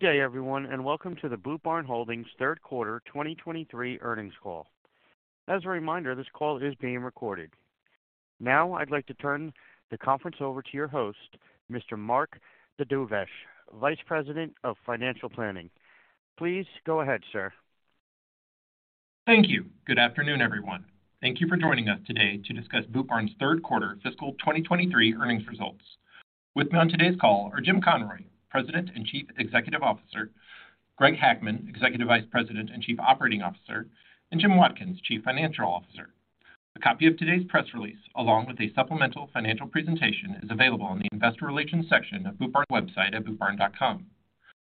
Good day, everyone, and welcome to the Boot Barn Holdings third quarter 2023 earnings call. As a reminder, this call is being recorded. I'd like to turn the conference over to your host, Mr. Mark Dedovesh, Vice President of Financial Planning. Please go ahead, sir. Thank you. Good afternoon, everyone. Thank you for joining us today to discuss Boot Barn's 3rd quarter fiscal 2023 earnings results. With me on today's call are Jim Conroy, President and Chief Executive Officer, Greg Hackman, Executive Vice President and Chief Operating Officer, and Jim Watkins, Chief Financial Officer. A copy of today's press release, along with a supplemental financial presentation, is available on the investor relations section of Boot Barn's website at BootBarn.com.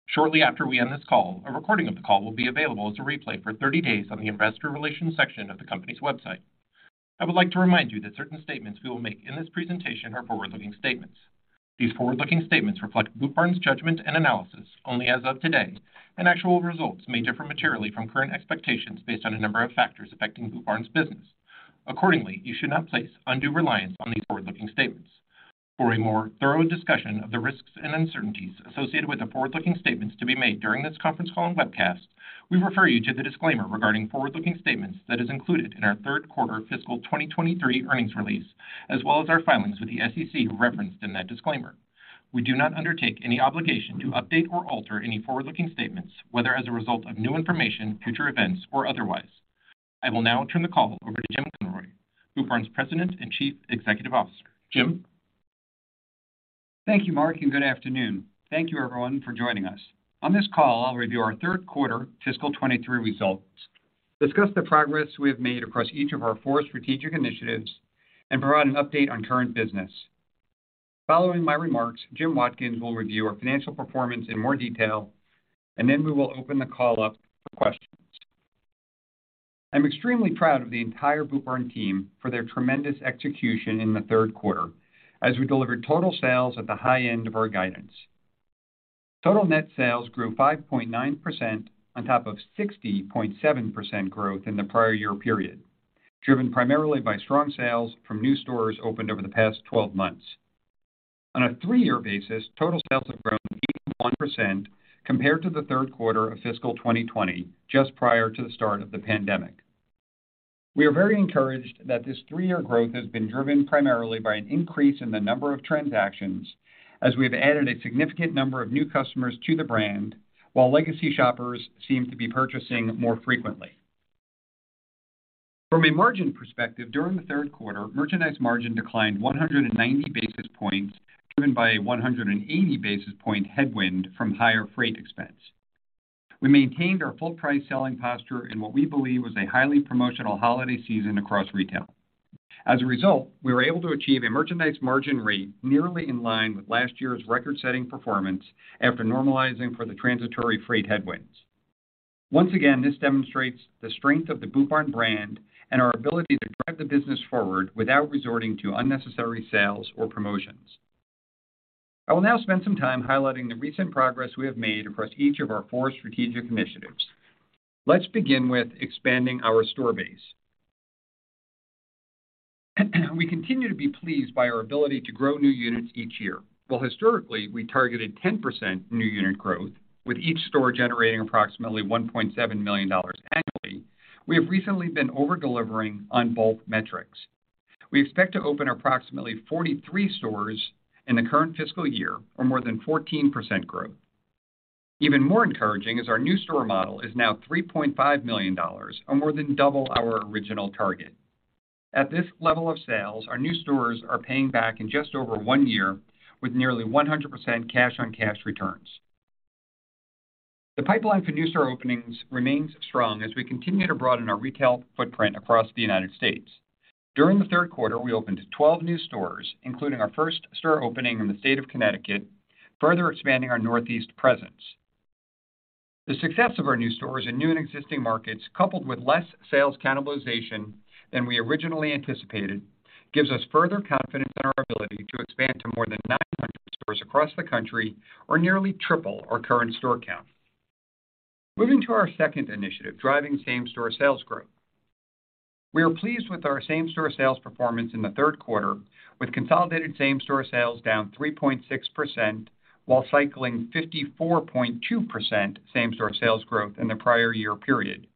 Shortly after we end this call, a recording of the call will be available as a replay for 30 days on the investor relations section of the company's website. I would like to remind you that certain statements we will make in this presentation are forward-looking statements. These forward-looking statements reflect Boot Barn's judgment and analysis only as of today, and actual results may differ materially from current expectations based on a number of factors affecting Boot Barn's business. Accordingly, you should not place undue reliance on these forward-looking statements. For a more thorough discussion of the risks and uncertainties associated with the forward-looking statements to be made during this conference call and webcast, we refer you to the disclaimer regarding forward-looking statements that is included in our third quarter fiscal 2023 earnings release, as well as our filings with the SEC referenced in that disclaimer. We do not undertake any obligation to update or alter any forward-looking statements, whether as a result of new information, future events, or otherwise. I will now turn the call over to Jim Conroy, Boot Barn's President and Chief Executive Officer. Jim. Thank you, Mark, and good afternoon. Thank you everyone for joining us. On this call, I'll review our third quarter fiscal 2023 results, discuss the progress we have made across each of our four strategic initiatives, and provide an update on current business. Following my remarks, Jim Watkins will review our financial performance in more detail, and then we will open the call up for questions. I'm extremely proud of the entire Boot Barn team for their tremendous execution in the third quarter as we delivered total sales at the high end of our guidance. Total net sales grew 5.9% on top of 60.7% growth in the prior year period, driven primarily by strong sales from new stores opened over the past 12 months. On a three-year basis, total sales have grown 81% compared to the third quarter of fiscal 2020, just prior to the start of the pandemic. We are very encouraged that this three-year growth has been driven primarily by an increase in the number of transactions as we've added a significant number of new customers to the brand while legacy shoppers seem to be purchasing more frequently. From a margin perspective, during the third quarter, merchandise margin declined 190 basis points, driven by a 180 basis point headwind from higher freight expense. We maintained our full price selling posture in what we believe was a highly promotional holiday season across retail. As a result, we were able to achieve a merchandise margin rate nearly in line with last year's record-setting performance after normalizing for the transitory freight headwinds. Once again, this demonstrates the strength of the Boot Barn brand and our ability to drive the business forward without resorting to unnecessary sales or promotions. I will now spend some time highlighting the recent progress we have made across each of our four strategic initiatives. Let's begin with expanding our store base. We continue to be pleased by our ability to grow new units each year. While historically, we targeted 10% new unit growth, with each store generating approximately $1.7 million annually, we have recently been over-delivering on both metrics. We expect to open approximately 43 stores in the current fiscal year or more than 14% growth. Even more encouraging is our new store model is now $3.5 million or more than double our original target. At this level of sales, our new stores are paying back in just over one year with nearly 100% cash-on-cash returns. The pipeline for new store openings remains strong as we continue to broaden our retail footprint across the United States. During the 3rd quarter, we opened 12 new stores, including our first store opening in the state of Connecticut, further expanding our Northeast presence. The success of our new stores in new and existing markets, coupled with less sales cannibalization than we originally anticipated, gives us further confidence in our ability to expand to more than 900 stores across the country or nearly triple our current store count. Moving to our second initiative, driving same-store sales growth. We are pleased with our same-store sales performance in the third quarter, with consolidated same-store sales down 3.6% while cycling 54.2% same-store sales growth in the prior year period.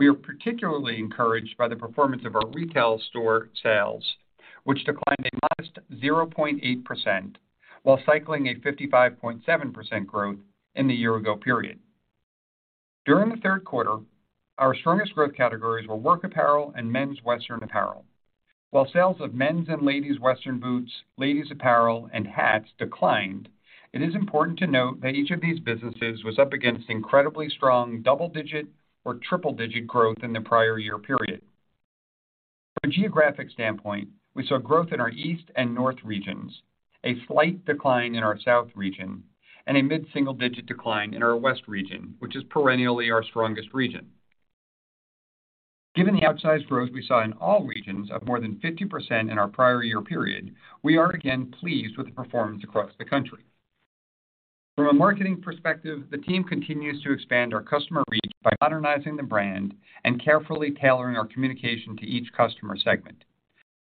We are particularly encouraged by the performance of our retail store sales, which declined a modest 0.8% while cycling a 55.7% growth in the year ago period. During the third quarter, our strongest growth categories were work apparel and men's western apparel. While sales of men's and ladies' western boots, ladies' apparel, and hats declined, it is important to note that each of these businesses was up against incredibly strong double-digit or triple-digit growth in the prior year period. From a geographic standpoint, we saw growth in our east and north regions, a slight decline in our south region, and a mid-single-digit decline in our west region, which is perennially our strongest region. Given the outsized growth we saw in all regions of more than 50% in our prior year period, we are again pleased with the performance across the country. From a marketing perspective, the team continues to expand our customer reach by modernizing the brand and carefully tailoring our communication to each customer segment.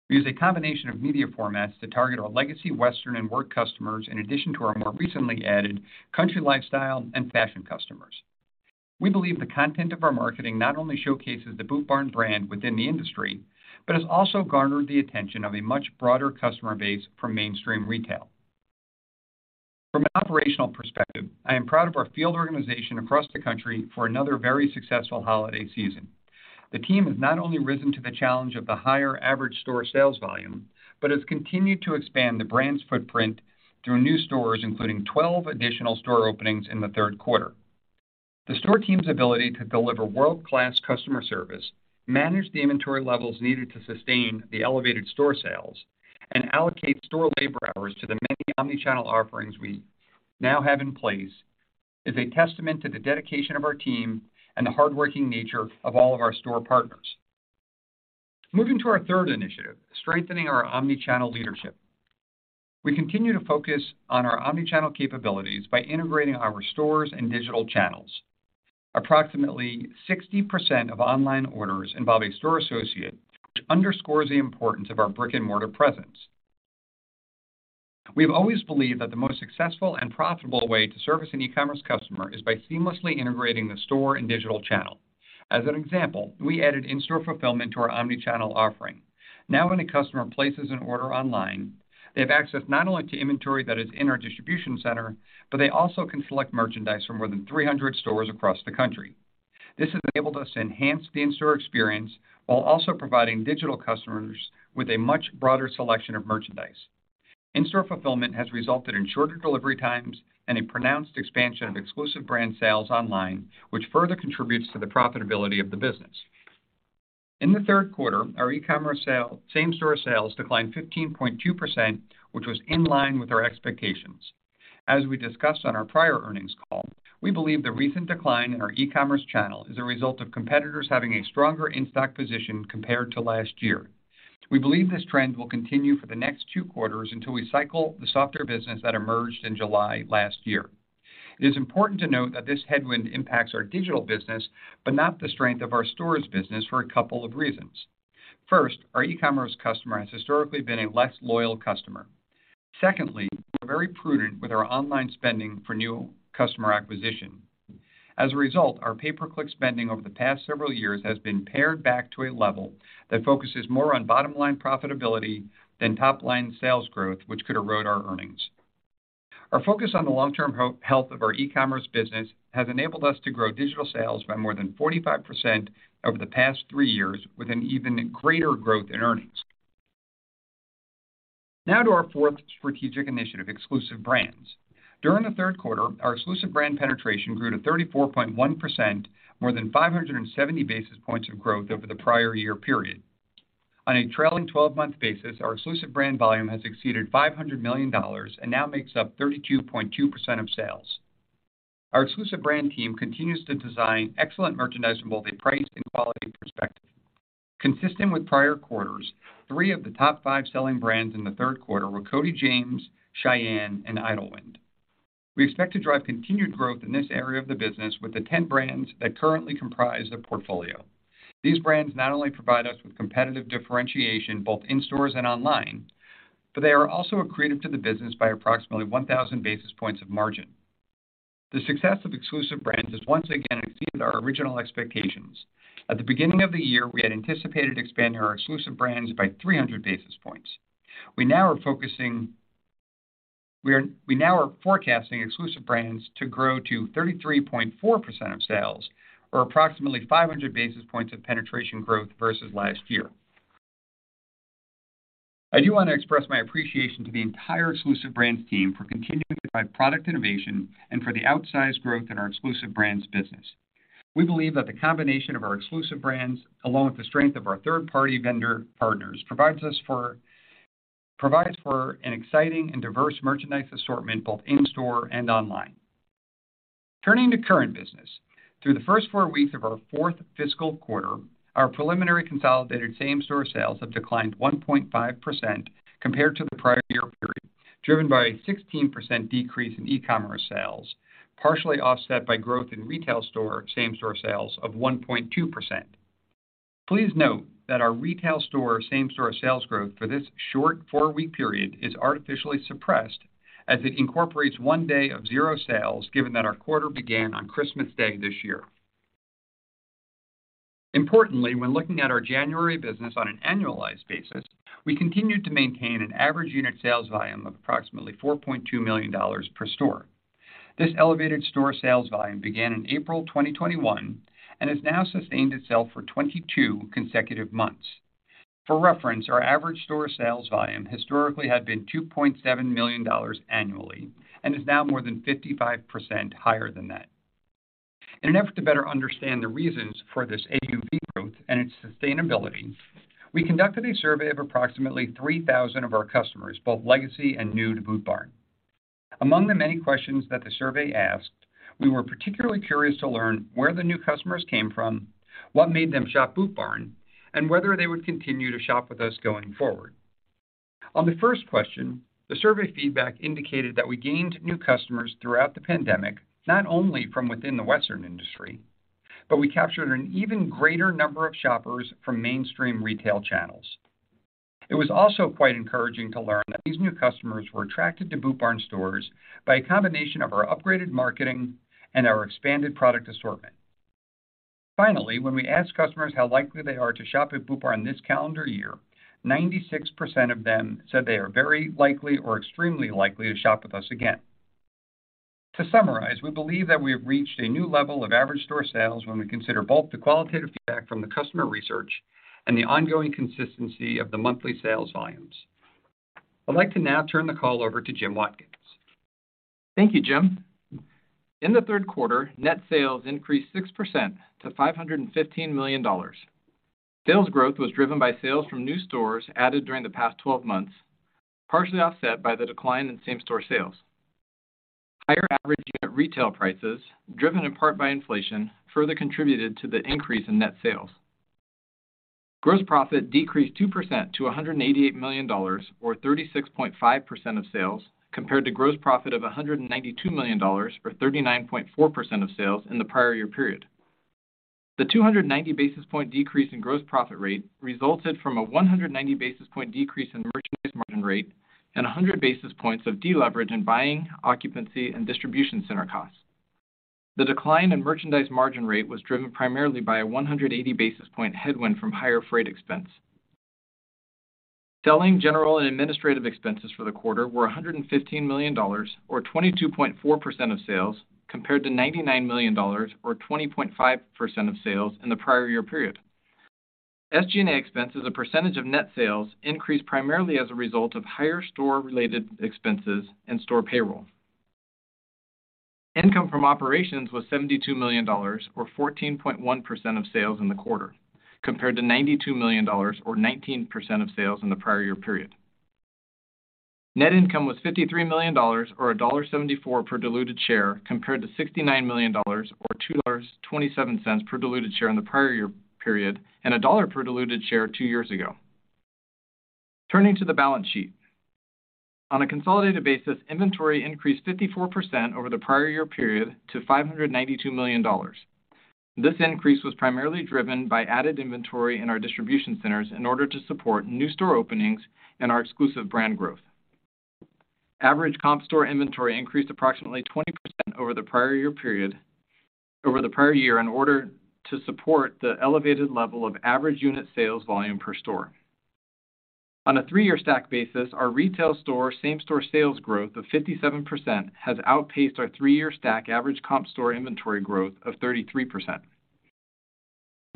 We use a combination of media formats to target our legacy western and work customers in addition to our more recently added country lifestyle and fashion customers. We believe the content of our marketing not only showcases the Boot Barn brand within the industry, but has also garnered the attention of a much broader customer base for mainstream retail. From an operational perspective, I am proud of our field organization across the country for another very successful holiday season. The team has not only risen to the challenge of the higher average store sales volume, but has continued to expand the brand's footprint through new stores, including 12 additional store openings in the third quarter. The store team's ability to deliver world-class customer service, manage the inventory levels needed to sustain the elevated store sales, and allocate store labor hours to the many omni-channel offerings we now have in place, is a testament to the dedication of our team and the hardworking nature of all of our store partners. Moving to our third initiative, strengthening our omni-channel leadership. We continue to focus on our omni-channel capabilities by integrating our stores and digital channels. Approximately 60% of online orders involve a store associate, which underscores the importance of our brick-and-mortar presence. We have always believed that the most successful and profitable way to service an e-commerce customer is by seamlessly integrating the store and digital channel. As an example, we added in-store fulfillment to our omni-channel offering. Now when a customer places an order online, they have access not only to inventory that is in our distribution center, but they also can select merchandise from more than 300 stores across the country. This has enabled us to enhance the in-store experience while also providing digital customers with a much broader selection of merchandise. In-store fulfillment has resulted in shorter delivery times and a pronounced expansion of exclusive brand sales online, which further contributes to the profitability of the business. In the third quarter, our e-commerce same-store sales declined 15.2%, which was in line with our expectations. As we discussed on our prior earnings call, we believe the recent decline in our e-commerce channel is a result of competitors having a stronger in-stock position compared to last year. We believe this trend will continue for the next two quarters until we cycle the softer business that emerged in July last year. It is important to note that this headwind impacts our digital business, but not the strength of our stores business for a couple of reasons. First, our e-commerce customer has historically been a less loyal customer. Secondly, we're very prudent with our online spending for new customer acquisition. Our pay-per-click spending over the past several years has been pared back to a level that focuses more on bottom line profitability than top-line sales growth, which could erode our earnings. Our focus on the long-term health of our e-commerce business has enabled us to grow digital sales by more than 45% over the past three years with an even greater growth in earnings. To our fourth strategic initiative, exclusive brands. During the third quarter, our exclusive brand penetration grew to 34.1%, more than 570 basis points of growth over the prior year period. On a trailing 12-month basis, our exclusive brand volume has exceeded $500 million and now makes up 32.2% of sales. Our exclusive brand team continues to design excellent merchandise from both a price and quality perspective. Consistent with prior quarters, three of the top five selling brands in the third quarter were Cody James, Shyanne, and Idyllwind. We expect to drive continued growth in this area of the business with the 10 brands that currently comprise the portfolio. These brands not only provide us with competitive differentiation, both in stores and online, but they are also accretive to the business by approximately 1,000 basis points of margin. The success of exclusive brands has once again exceeded our original expectations. At the beginning of the year, we had anticipated expanding our exclusive brands by 300 basis points. We now are forecasting exclusive brands to grow to 33.4% of sales or approximately 500 basis points of penetration growth versus last year. I do want to express my appreciation to the entire exclusive brands team for continuing to drive product innovation and for the outsized growth in our exclusive brands business. We believe that the combination of our exclusive brands, along with the strength of our third-party vendor partners, provides for an exciting and diverse merchandise assortment, both in-store and online. Turning to current business. Through the first four weeks of our fourth fiscal quarter, our preliminary consolidated same-store sales have declined 1.5% compared to the prior year period, driven by a 16% decrease in e-commerce sales, partially offset by growth in retail store same-store sales of 1.2%. Please note that our retail store same-store sales growth for this short four-week period is artificially suppressed as it incorporates one day of zero sales given that our quarter began on Christmas Day this year. Importantly, when looking at our January business on an annualized basis, we continued to maintain an average unit sales volume of approximately $4.2 million per store. This elevated store sales volume began in April 2021 and has now sustained itself for 22 consecutive months. For reference, our average store sales volume historically had been $2.7 million annually and is now more than 55% higher than that. In an effort to better understand the reasons for this AUV growth and its sustainability, we conducted a survey of approximately 3,000 of our customers, both legacy and new to Boot Barn. Among the many questions that the survey asked, we were particularly curious to learn where the new customers came from, what made them shop Boot Barn, and whether they would continue to shop with us going forward. On the first question, the survey feedback indicated that we gained new customers throughout the pandemic, not only from within the Western industry, but we captured an even greater number of shoppers from mainstream retail channels. It was also quite encouraging to learn that these new customers were attracted to Boot Barn stores by a combination of our upgraded marketing and our expanded product assortment. Finally, when we asked customers how likely they are to shop at Boot Barn this calendar year, 96% of them said they are very likely or extremely likely to shop with us again. To summarize, we believe that we have reached a new level of average store sales when we consider both the qualitative feedback from the customer research and the ongoing consistency of the monthly sales volumes. I'd like to now turn the call over to Jim Watkins. Thank you, Jim. In the third quarter, net sales increased 6% to $515 million. Sales growth was driven by sales from new stores added during the past 12 months, partially offset by the decline in same-store sales. Higher average unit retail prices, driven in part by inflation, further contributed to the increase in net sales. Gross profit decreased 2% to $188 million or 36.5% of sales compared to gross profit of $192 million or 39.4% of sales in the prior year period. The 290 basis point decrease in gross profit rate resulted from a 190 basis point decrease in merchandise margin rate and 100 basis points of deleverage in buying, occupancy, and distribution center costs. The decline in merchandise margin rate was driven primarily by a 180 basis point headwind from higher freight expense. Selling general and administrative expenses for the quarter were $115 million or 22.4% of sales, compared to $99 million or 20.5% of sales in the prior year period. SG&A expenses, a percentage of net sales increased primarily as a result of higher store-related expenses and store payroll. Income from operations was $72 million or 14.1% of sales in the quarter, compared to $92 million or 19% of sales in the prior year period. Net income was $53 million or $1.74 per diluted share compared to $69 million or $2.27 per diluted share in the prior year period, and $1 per diluted share two years ago. Turning to the balance sheet. On a consolidated basis, inventory increased 54% over the prior year period to $592 million. This increase was primarily driven by added inventory in our distribution centers in order to support new store openings and our exclusive brand growth. Average comp store inventory increased approximately 20% over the prior year in order to support the elevated level of average unit sales volume per store. On a three-year stack basis, our retail store same-store sales growth of 57% has outpaced our three-year stack average comp store inventory growth of 33%.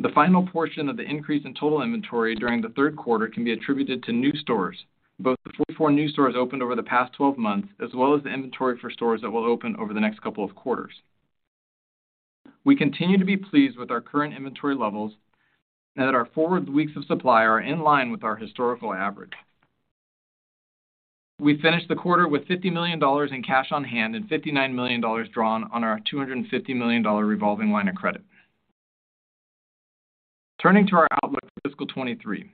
The final portion of the increase in total inventory during the third quarter can be attributed to new stores, both the 44 new stores opened over the past 12 months, as well as the inventory for stores that will open over the next couple of quarters. We continue to be pleased with our current inventory levels now that our forward weeks of supply are in line with our historical average. We finished the quarter with $50 million in cash on hand and $59 million drawn on our $250 million revolving line of credit. Turning to our outlook for fiscal 2023.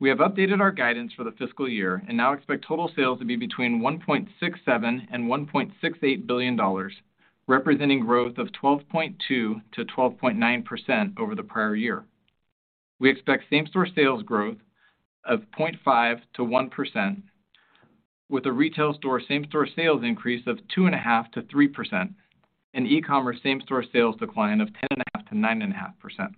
We have updated our guidance for the fiscal year and now expect total sales to be between $1.67 billion and $1.68 billion, representing growth of 12.2%-12.9% over the prior year. We expect same-store sales growth of 0.5%-1% with a retail store same-store sales increase of 2.5%-3%, an e-commerce same-store sales decline of 10.5%-9.5%.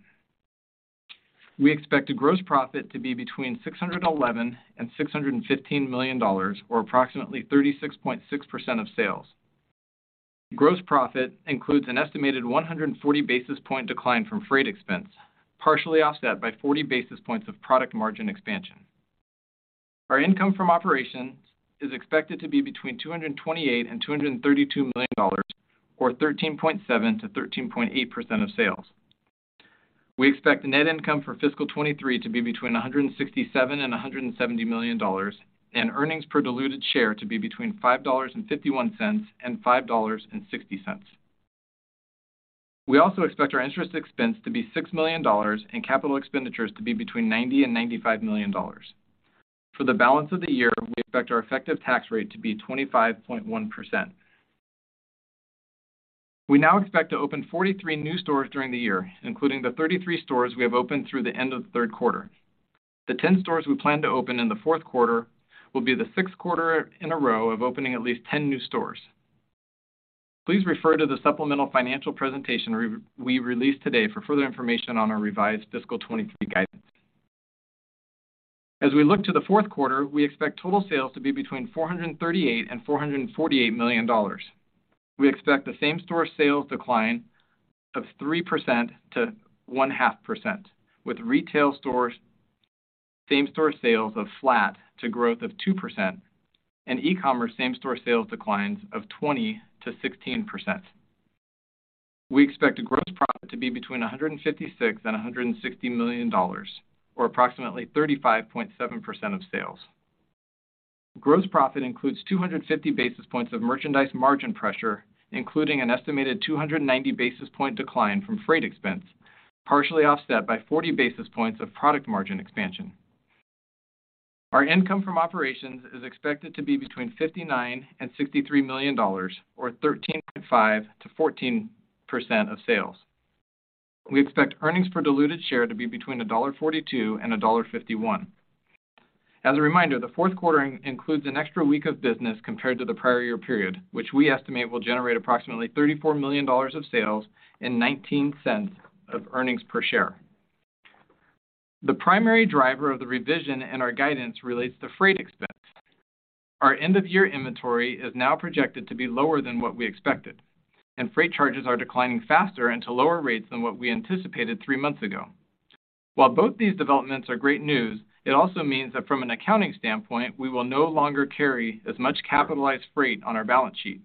We expect the gross profit to be between $611 million and $615 million, or approximately 36.6% of sales. Gross profit includes an estimated 140 basis point decline from freight expense, partially offset by 40 basis points of product margin expansion. Our income from operations is expected to be between $228 million and $232 million or 13.7%-13.8% of sales. We expect net income for fiscal 2023 to be between $167 million and $170 million, and earnings per diluted share to be between $5.51 and $5.60. We also expect our interest expense to be $6 million and capital expenditures to be between $90 million and $95 million. For the balance of the year, we expect our effective tax rate to be 25.1%. We now expect to open 43 new stores during the year, including the 33 stores we have opened through the end of the third quarter. The 10 stores we plan to open in the fourth quarter will be the sixth quarter in a row of opening at least 10 new stores. Please refer to the supplemental financial presentation re-we released today for further information on our revised fiscal 2023 guidance. As we look to the fourth quarter, we expect total sales to be between $438 million and $448 million. We expect the same-store sales decline of 3% -1.5%, with retail stores same-store sales of flat to growth of 2% and e-commerce same-store sales declines of 20% - 16%. We expect the gross profit to be between $156 million and $160 million or approximately 35.7% of sales. Gross profit includes 250 basis points of merchandise margin pressure, including an estimated 290 basis point decline from freight expense, partially offset by 40 basis points of product margin expansion. Our income from operations is expected to be between $59 million and $63 million, or 13.5%-14% of sales. We expect earnings per diluted share to be between $1.42 and $1.51. As a reminder, the fourth quarter includes an extra week of business compared to the prior year period, which we estimate will generate approximately $34 million of sales and $0.19 of earnings per share. The primary driver of the revision in our guidance relates to freight expense. Our end-of-year inventory is now projected to be lower than what we expected, and freight charges are declining faster and to lower rates than what we anticipated three months ago. While both these developments are great news, it also means that from an accounting standpoint, we will no longer carry as much capitalized freight on our balance sheet.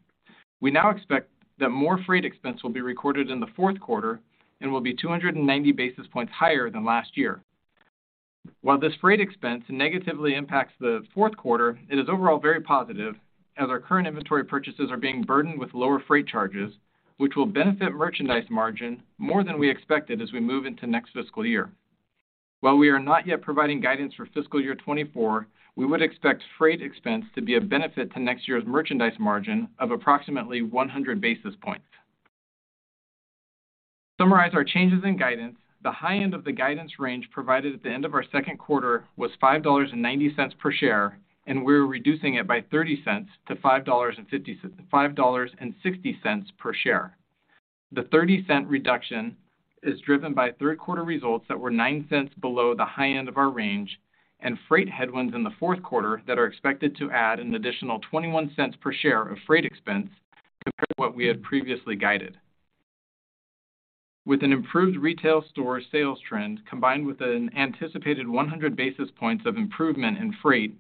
We now expect that more freight expense will be recorded in the fourth quarter and will be 290 basis points higher than last year. While this freight expense negatively impacts the fourth quarter, it is overall very positive as our current inventory purchases are being burdened with lower freight charges, which will benefit merchandise margin more than we expected as we move into next fiscal year. While we are not yet providing guidance for fiscal year 2024, we would expect freight expense to be a benefit to next year's merchandise margin of approximately 100 basis points. To summarize our changes in guidance, the high end of the guidance range provided at the end of our second quarter was $5.90 per share, and we're reducing it by $0.30 to $5.60 per share. The $0.30 reduction is driven by third quarter results that were $0.09 below the high end of our range and freight headwinds in the fourth quarter that are expected to add an additional $0.21 per share of freight expense compared to what we had previously guided. With an improved retail store sales trend combined with an anticipated 100 basis points of improvement in freight,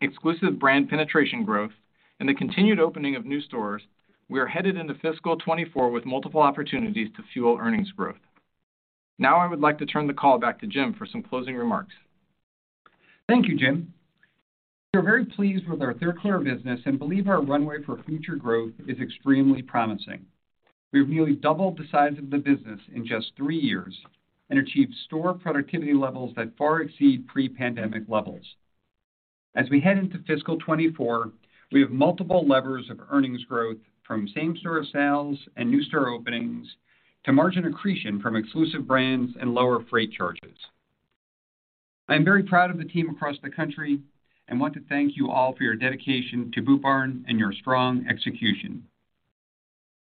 exclusive brand penetration growth and the continued opening of new stores, we are headed into fiscal 2024 with multiple opportunities to fuel earnings growth. I would like to turn the call back to Jim for some closing remarks. Thank you, Jim. We are very pleased with our third-quarter business and believe our runway for future growth is extremely promising. We've nearly doubled the size of the business in just three years and achieved store productivity levels that far exceed pre-pandemic levels. As we head into fiscal 2024, we have multiple levers of earnings growth from same-store sales and new store openings to margin accretion from exclusive brands and lower freight charges. I am very proud of the team across the country and want to thank you all for your dedication to Boot Barn and your strong execution.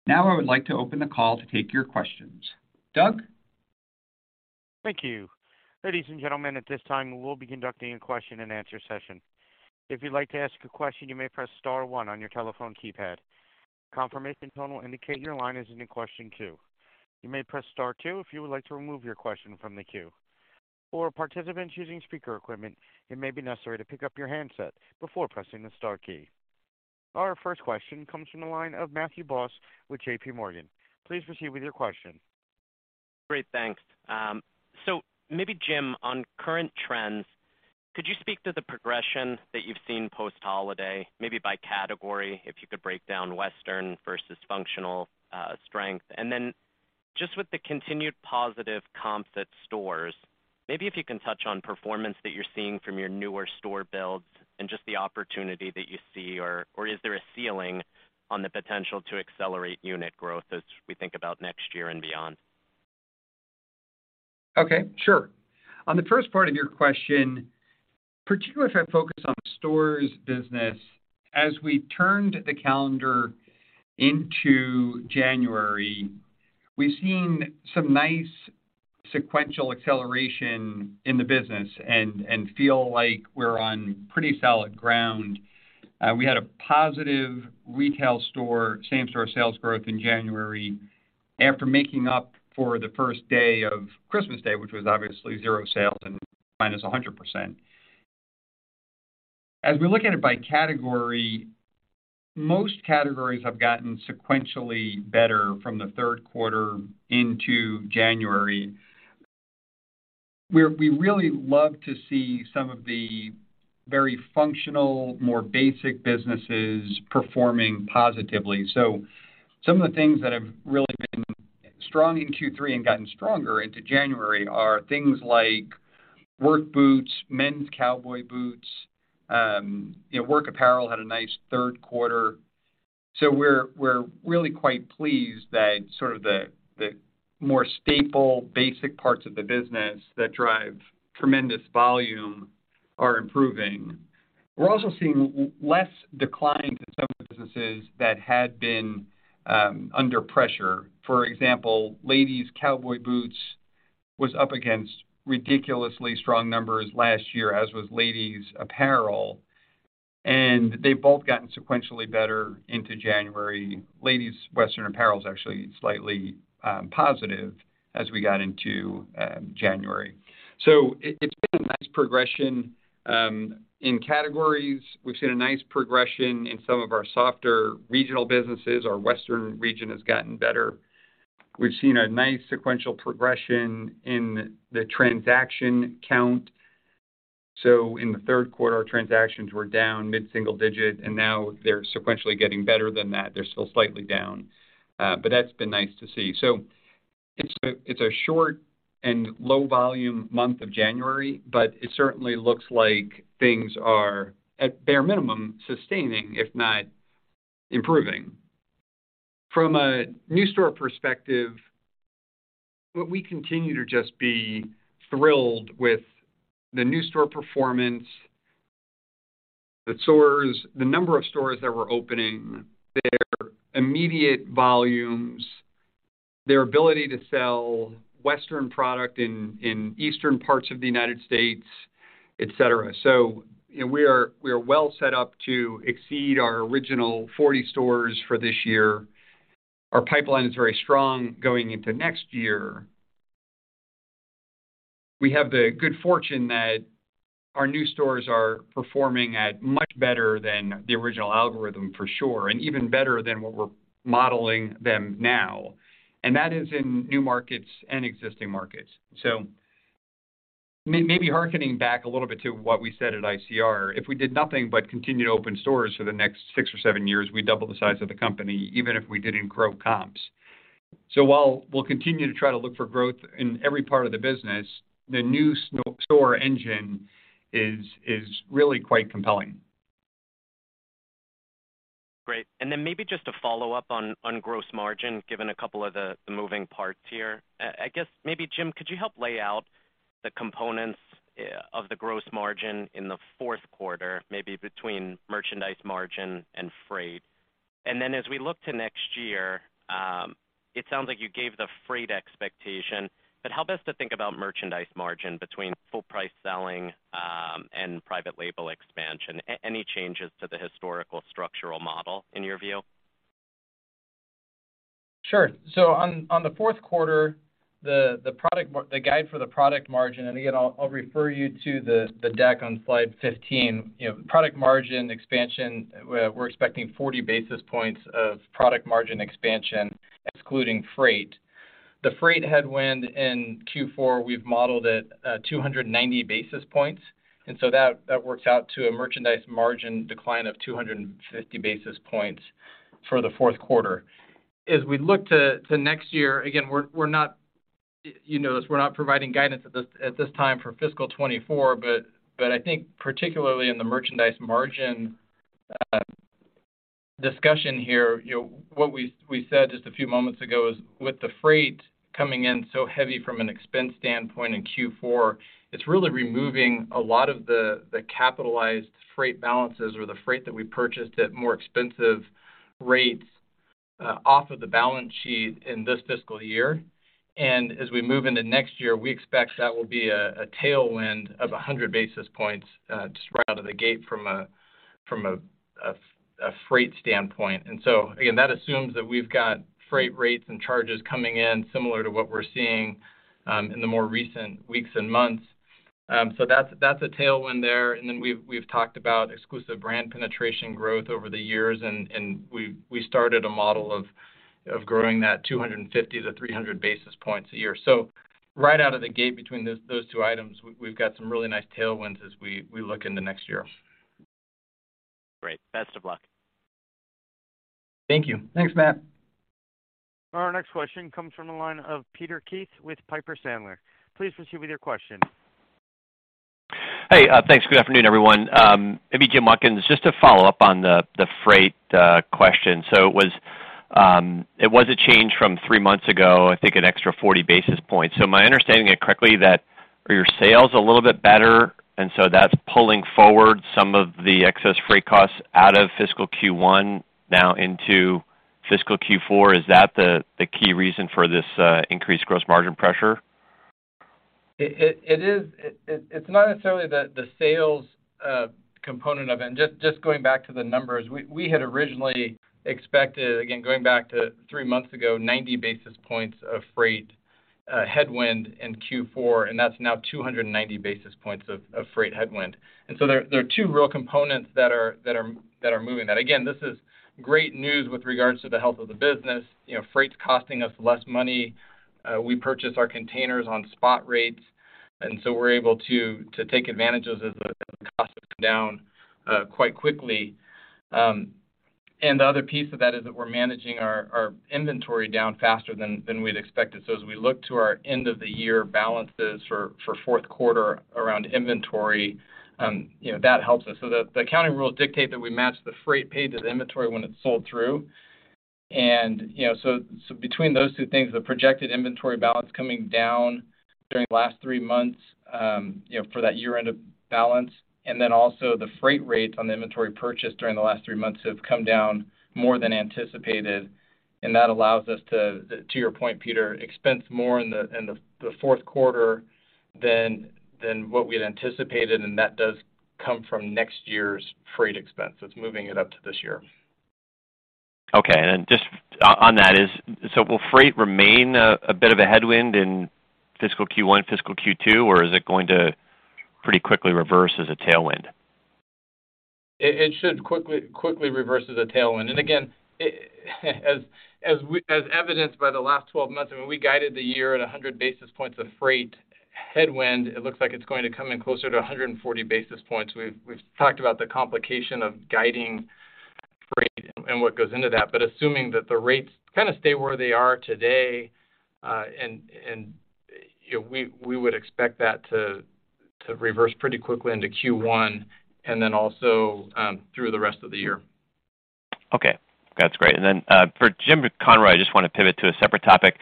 I would like to open the call to take your questions. Doug? Thank you. Ladies and gentlemen, at this time, we will be conducting a question-and-answer session. If you'd like to ask a question, you may press star one on your telephone keypad. A confirmation tone will indicate your line is in the question queue. You may press star two if you would like to remove your question from the queue. For participants using speaker equipment, it may be necessary to pick up your handset before pressing the star key. Our first question comes from the line of Matthew Boss with JPMorgan. Please proceed with your question. Great. Thanks. Maybe Jim, on current trends, could you speak to the progression that you've seen post-holiday, maybe by category, if you could break down Western versus functional strength? Then just with the continued positive comp at stores, maybe if you can touch on performance that you're seeing from your newer store builds and just the opportunity that you see, or is there a ceiling on the potential to accelerate unit growth as we think about next year and beyond? Okay, sure. On the first part of your question, particularly if I focus on stores business, as we turned the calendar into January, we've seen some nice sequential acceleration in the business and feel like we're on pretty solid ground. We had a positive retail store same-store sales growth in January after making up for the first day of Christmas Day, which was obviously $0 sales and -100%. As we look at it by category, most categories have gotten sequentially better from the third quarter into January. We really love to see some of the very functional, more basic businesses performing positively. Some of the things that have really been strong in Q3 and gotten stronger into January are things like work boots, men's cowboy boots. You know, work apparel had a nice third quarter. We're really quite pleased that sort of the more staple basic parts of the business that drive tremendous volume are improving. We're also seeing less decline in some businesses that had been under pressure. For example, ladies cowboy boots was up against ridiculously strong numbers last year, as was ladies apparel, and they've both gotten sequentially better into January. Ladies Western apparel is actually slightly positive as we got into January. It's been a nice progression in categories. We've seen a nice progression in some of our softer regional businesses. Our Western region has gotten better. We've seen a nice sequential progression in the transaction count. In the 3rd quarter, our transactions were down mid-single digit, and now they're sequentially getting better than that. They're still slightly down, but that's been nice to see. It's a, it's a short and low volume month of January, but it certainly looks like things are, at bare minimum, sustaining, if not improving. From a new store perspective, we continue to just be thrilled with the new store performance, the number of stores that we're opening, their immediate volumes, their ability to sell Western product in eastern parts of the United States, et cetera. You know, we are, we are well set up to exceed our original 40 stores for this year. Our pipeline is very strong going into next year. We have the good fortune that our new stores are performing at much better than the original algorithm, for sure, and even better than what we're modeling them now. That is in new markets and existing markets. Maybe hearkening back a little bit to what we said at ICR. If we did nothing but continue to open stores for the next six or seven years, we double the size of the company, even if we didn't grow comps. While we'll continue to try to look for growth in every part of the business, the new store engine is really quite compelling. Great. Maybe just to follow up on gross margin, given a couple of the moving parts here. I guess maybe, Jim, could you help lay out the components of the gross margin in the 4th quarter, maybe between merchandise margin and freight? As we look to next year, it sounds like you gave the freight expectation, but help us to think about merchandise margin between full price selling and private label expansion. Any changes to the historical structural model in your view? Sure. On the fourth quarter, the product margin the guide for the product margin, and again, I'll refer you to the deck on slide 15. You know, product margin expansion, we're expecting 40 basis points of product margin expansion, excluding freight. The freight headwind in Q4, we've modeled at 290 basis points, that works out to a merchandise margin decline of 250 basis points for the fourth quarter. As we look to next year, again, we're not you notice we're not providing guidance at this time for fiscal 2024. I think particularly in the merchandise margin discussion here, you know, what we said just a few moments ago is with the freight coming in so heavy from an expense standpoint in Q4, it's really removing a lot of the capitalized freight balances or the freight that we purchased at more expensive rates off of the balance sheet in this fiscal year. As we move into next year, we expect that will be a tailwind of 100 basis points just right out of the gate from a freight standpoint. Again, that assumes that we've got freight rates and charges coming in similar to what we're seeing in the more recent weeks and months. That's a tailwind there. We've talked about exclusive brand penetration growth over the years, and we started a model of growing that 250 to 300 basis points a year. Right out of the gate between those two items, we've got some really nice tailwinds as we look into next year. Great. Best of luck. Thank you. Thanks, Matt. Our next question comes from the line of Peter Keith with Piper Sandler. Please proceed with your question. Hey. Thanks. Good afternoon, everyone. Maybe, Jim Conroy, just to follow up on the freight question. It was a change from three months ago, I think an extra 40 basis points. Am I understanding it correctly that are your sales a little bit better and so that's pulling forward some of the excess freight costs out of fiscal Q1 now into fiscal Q4? Is that the key reason for this increased gross margin pressure? It's not necessarily the sales component of it. Just going back to the numbers, we had originally expected, again, going back to three months ago, 90 basis points of freight headwind in Q4, and that's now 290 basis points of freight headwind. There are two real components that are moving that. Again, this is great news with regards to the health of the business. You know, freight's costing us less money. We purchase our containers on spot rates, we're able to take advantage of as the costs come down quite quickly. The other piece of that is that we're managing our inventory down faster than we'd expected. As we look to our end of the year balances for fourth quarter around inventory, you know, that helps us. The accounting rules dictate that we match the freight paid to the inventory when it's sold through. You know, so between those two things, the projected inventory balance coming down during the last three months, you know, for that year-end balance, and then also the freight rates on the inventory purchase during the last three months have come down more than anticipated, and that allows us to your point, Peter, expense more in the fourth quarter than what we had anticipated, and that does come from next year's freight expense. It's moving it up to this year. Okay. Just on that is, will freight remain a bit of a headwind in fiscal Q1, fiscal Q2, or is it going to pretty quickly reverse as a tailwind? It should quickly reverse as a tailwind. Again, it as evidenced by the last 12 months, I mean, we guided the year at 100 basis points of freight headwind. It looks like it's going to come in closer to 140 basis points. We've talked about the complication of guiding freight and what goes into that, but assuming that the rates kind of stay where they are today, and, you know, we would expect that to reverse pretty quickly into Q1 and then also through the rest of the year. Okay. That's great. Then, for Jim Conroy, I just want to pivot to a separate topic.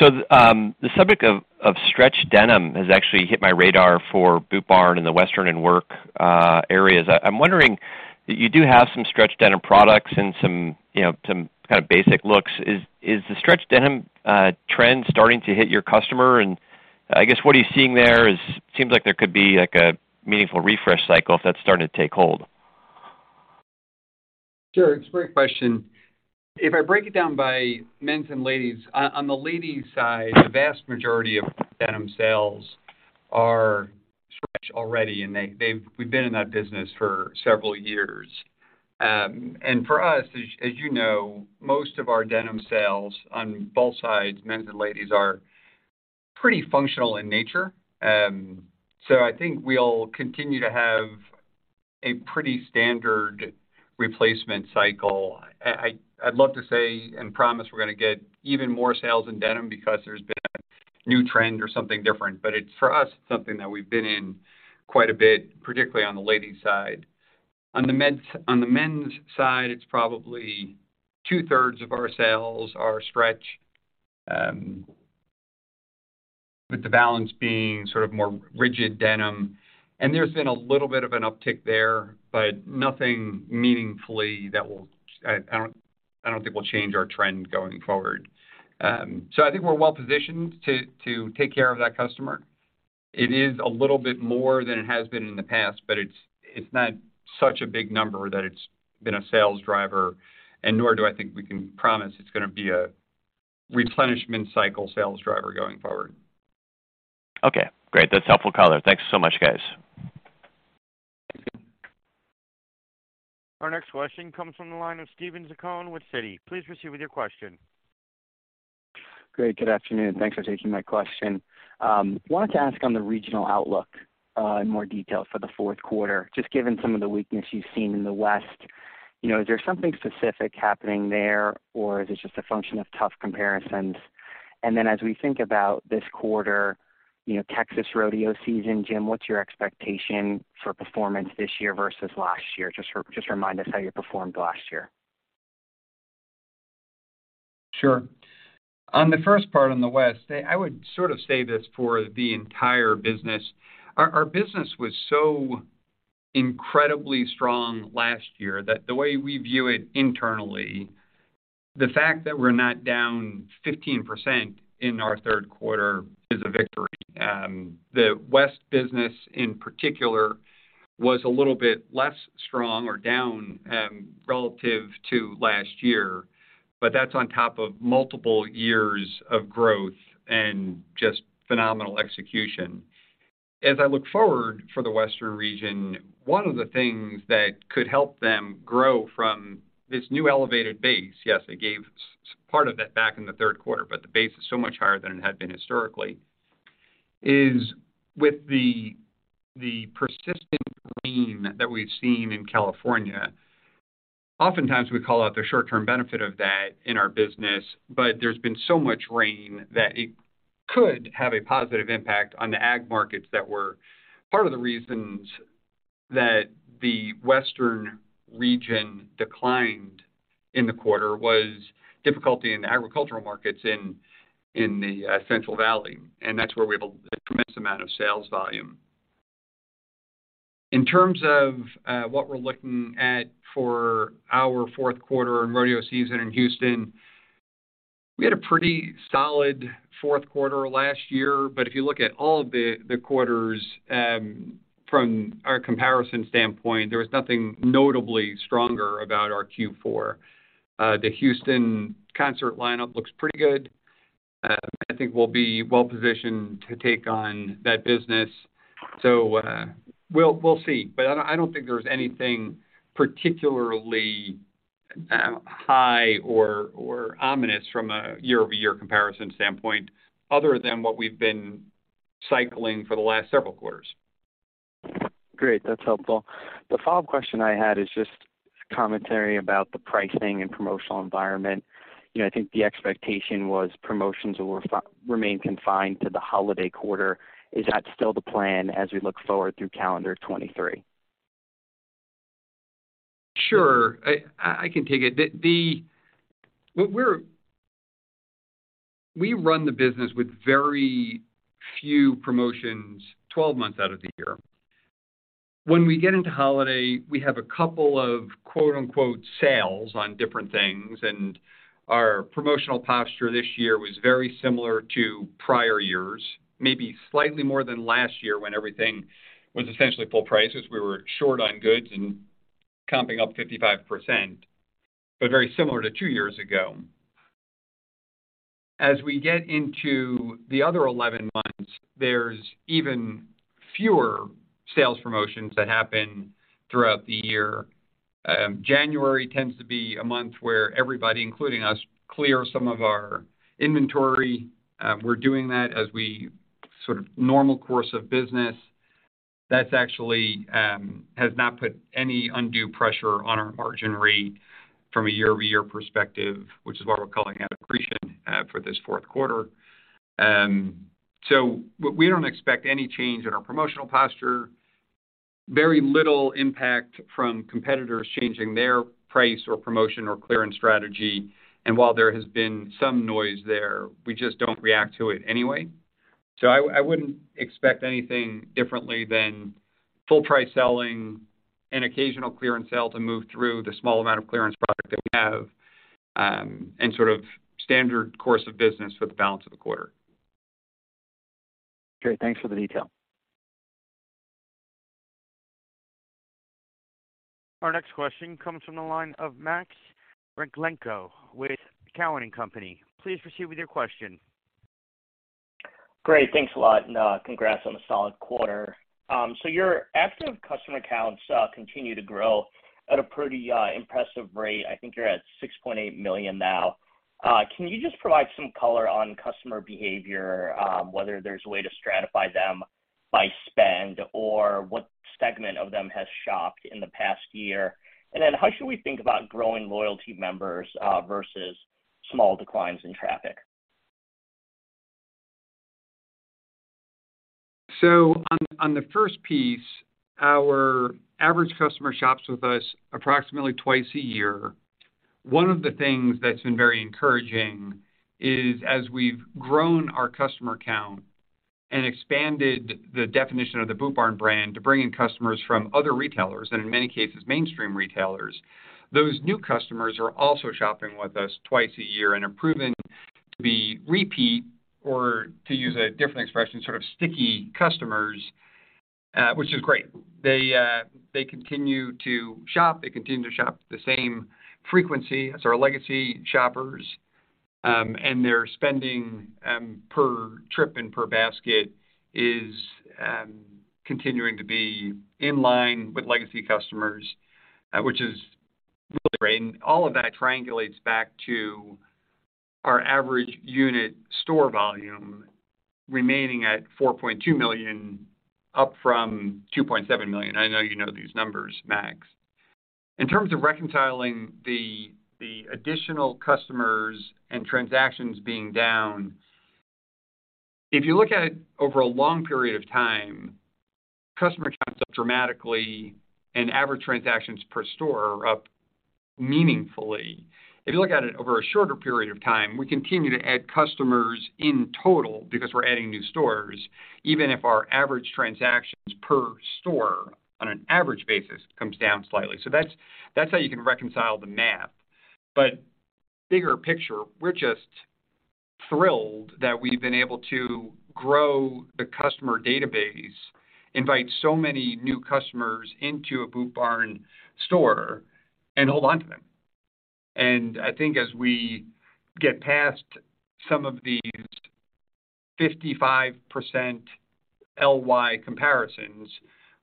The subject of stretch denim has actually hit my radar for Boot Barn in the Western and work areas. I'm wondering, you do have some stretch denim products and some, you know, some kind of basic looks. Is the stretch denim trend starting to hit your customer? I guess what are you seeing there is, seems like there could be like a meaningful refresh cycle if that's starting to take hold. Sure. It's a great question. If I break it down by men's and ladies, on the ladies side, the vast majority of denim sales are stretch already, and we've been in that business for several years. For us, as you know, most of our denim sales on both sides, men's and ladies, are pretty functional in nature. I think we'll continue to have a pretty standard replacement cycle. I'd love to say and promise we're gonna get even more sales in denim because there's been a new trend or something different. But it's, for us, something that we've been in quite a bit, particularly on the ladies side. On the men's side, it's probably two-thirds of our sales are stretch, with the balance being sort of more rigid denim. There's been a little bit of an uptick there, but nothing meaningfully that I don't think will change our trend going forward. I think we're well positioned to take care of that customer. It is a little bit more than it has been in the past, but it's not such a big number that it's been a sales driver. Nor do I think we can promise it's gonna be a replenishment cycle sales driver going forward. Okay, great. That's helpful color. Thanks so much, guys. Thanks. Our next question comes from the line of Steven Zaccone with Citi. Please proceed with your question. Great. Good afternoon, thanks for taking my question. Wanted to ask on the regional outlook, in more detail for the fourth quarter, just given some of the weakness you've seen in the West. You know, is there something specific happening there, or is this just a function of tough comparisons? Then as we think about this quarter, you know, Texas rodeo season, Jim, what's your expectation for performance this year versus last year? Just remind us how you performed last year. On the first part on the West, I would sort of say this for the entire business. Our business was so incredibly strong last year that the way we view it internally, the fact that we're not down 15% in our third quarter is a victory. The West business in particular was a little bit less strong or down relative to last year, but that's on top of multiple years of growth and just phenomenal execution. As I look forward for the Western region, one of the things that could help them grow from this new elevated base, yes, they gave part of it back in the third quarter, but the base is so much higher than it had been historically, is with the persistent rain that we've seen in California. Oftentimes we call out the short-term benefit of that in our business. There's been so much rain that it could have a positive impact on the ag markets that were part of the reasons that the Western region declined in the quarter was difficulty in the agricultural markets in the Central Valley, and that's where we have a tremendous amount of sales volume. In terms of what we're looking at for our fourth quarter and rodeo season in Houston, we had a pretty solid fourth quarter last year. If you look at all the quarters from our comparison standpoint, there was nothing notably stronger about our Q4. The Houston concert lineup looks pretty good. I think we'll be well positioned to take on that business. We'll, we'll see. I don't think there's anything particularly high or ominous from a year-over-year comparison standpoint other than what we've been cycling for the last several quarters. Great. That's helpful. The follow-up question I had is just commentary about the pricing and promotional environment. You know, I think the expectation was promotions will remain confined to the holiday quarter. Is that still the plan as we look forward through calendar 2023? Sure. I can take it. We run the business with very few promotions 12 months out of the year. When we get into holiday, we have a couple of, quote-unquote, sales on different things. Our promotional posture this year was very similar to prior years, maybe slightly more than last year when everything was essentially full price as we were short on goods and comping up 55%, but very similar to two years ago. As we get into the other 11 months, there's even fewer sales promotions that happen throughout the year. January tends to be a month where everybody, including us, clear some of our inventory. We're doing that as we sort of normal course of business. That's actually has not put any undue pressure on our margin rate from a year-over-year perspective, which is why we're calling out accretion for this fourth quarter. We don't expect any change in our promotional posture. Very little impact from competitors changing their price or promotion or clearance strategy. While there has been some noise there, we just don't react to it anyway. I wouldn't expect anything differently than full price selling and occasional clearance sale to move through the small amount of clearance product that we have, and sort of standard course of business for the balance of the quarter. Great. Thanks for the detail. Our next question comes from the line of Max Rakhlenko with Cowen and Company. Please proceed with your question. Great. Thanks a lot. Congrats on the solid quarter. Your active customer accounts continue to grow at a pretty impressive rate. I think you're at 6.8 million now. Can you just provide some color on customer behavior, whether there's a way to stratify them by spend or what segment of them has shopped in the past year? Then how should we think about growing loyalty members versus small declines in traffic? On the first piece, our average customer shops with us approximately twice a year. One of the things that's been very encouraging is as we've grown our customer count and expanded the definition of the Boot Barn brand to bring in customers from other retailers, and in many cases mainstream retailers, those new customers are also shopping with us twice a year and are proving to be repeat or, to use a different expression, sort of sticky customers, which is great. They continue to shop, they continue to shop the same frequency as our legacy shoppers, and their spending per trip and per basket is continuing to be in line with legacy customers, which is really great. All of that triangulates back to our average unit store volume remaining at $4.2 million, up from $2.7 million. I know you know these numbers, Max. In terms of reconciling the additional customers and transactions being down, if you look at it over a long period of time, customer counts up dramatically and average transactions per store are up meaningfully. If you look at it over a shorter period of time, we continue to add customers in total because we're adding new stores, even if our average transactions per store on an average basis comes down slightly. That's how you can reconcile the math. Bigger picture, we're just thrilled that we've been able to grow the customer database, invite so many new customers into a Boot Barn store and hold on to them. I think as we get past some of these 55% LY comparisons,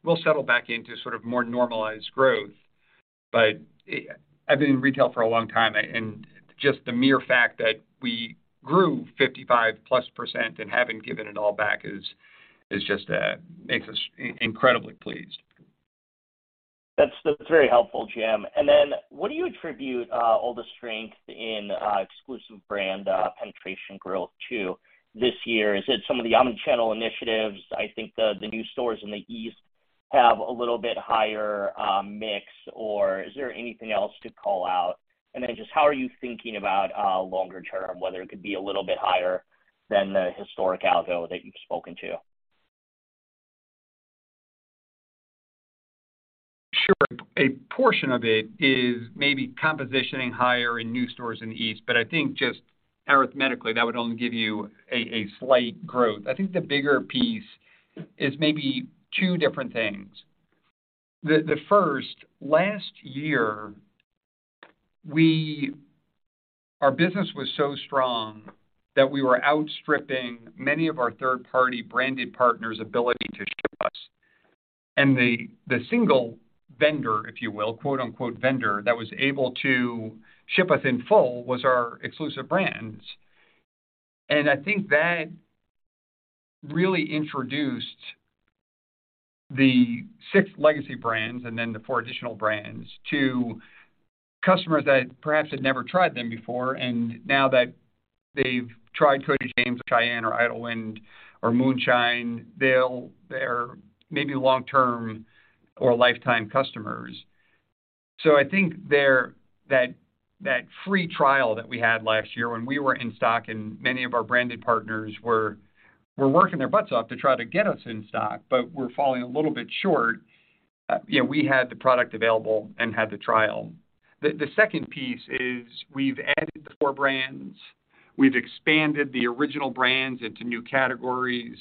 we'll settle back into sort of more normalized growth. I've been in retail for a long time, and just the mere fact that we grew 55%+ and haven't given it all back is just makes us incredibly pleased. That's very helpful, Jim. What do you attribute all the strength in exclusive brand penetration growth to this year? Is it some of the omnichannel initiatives? I think the new stores in the East have a little bit higher mix, or is there anything else to call out? Just how are you thinking about longer term, whether it could be a little bit higher than the historic algo that you've spoken to? Sure. A portion of it is maybe compositioning higher in new stores in the East, I think just arithmetically, that would only give you a slight growth. I think the bigger piece is maybe two different things. The first, last year, our business was so strong that we were outstripping many of our third-party branded partners' ability to ship us. The single vendor, if you will, quote-unquote, vendor, that was able to ship us in full was our exclusive brands. I think that really introduced the 6 legacy brands and then the four additional brands to customers that perhaps had never tried them before. Now that they've tried Cody James or Shyanne or Idyllwind or Moonshine, they're maybe long-term or lifetime customers. I think there that free trial that we had last year when we were in stock and many of our branded partners were working their butts off to try to get us in stock, but were falling a little bit short, you know, we had the product available and had the trial. The second piece is we've added the four brands. We've expanded the original brands into new categories.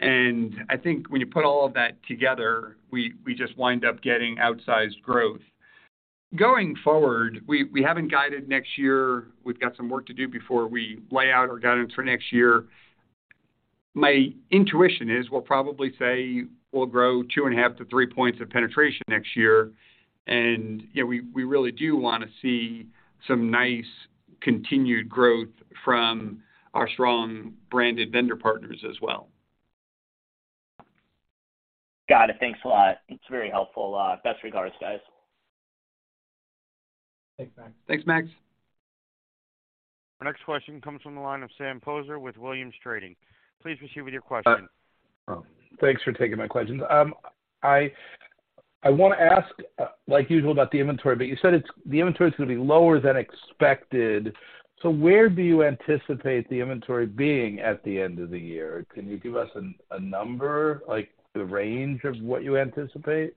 I think when you put all of that together, we just wind up getting outsized growth. Going forward, we haven't guided next year. We've got some work to do before we lay out our guidance for next year. My intuition is we'll probably say we'll grow 2.5-3 points of penetration next year. You know, we really do wanna see some nice continued growth from our strong branded vendor partners as well. Got it. Thanks a lot. It's very helpful. Best regards, guys. Thanks, Max. Thanks, Max. Our next question comes from the line of Sam Poser with Williams Trading. Please proceed with your question. Thanks for taking my questions. I wanna ask, like usual, about the inventory, but you said the inventory is gonna be lower than expected. Where do you anticipate the inventory being at the end of the year? Can you give us a number, like the range of what you anticipate?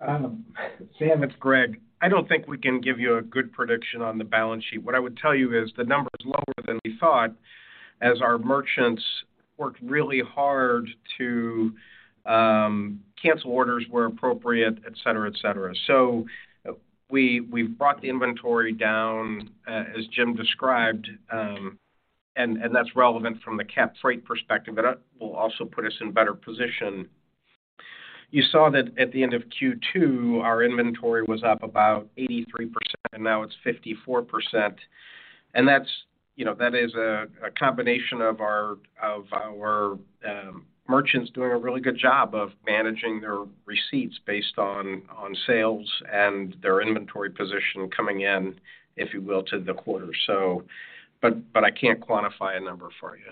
Sam, it's Greg. I don't think we can give you a good prediction on the balance sheet. What I would tell you is the number is lower than we thought as our merchants worked really hard to cancel orders where appropriate, et cetera, et cetera. We've brought the inventory down as Jim described, and that's relevant from the cap rate perspective, but it will also put us in better position. You saw that at the end of Q2, our inventory was up about 83%, and now it's 54%. That's, you know, that is a combination of our merchants doing a really good job of managing their receipts based on sales and their inventory position coming in, if you will, to the quarter. But I can't quantify a number for you.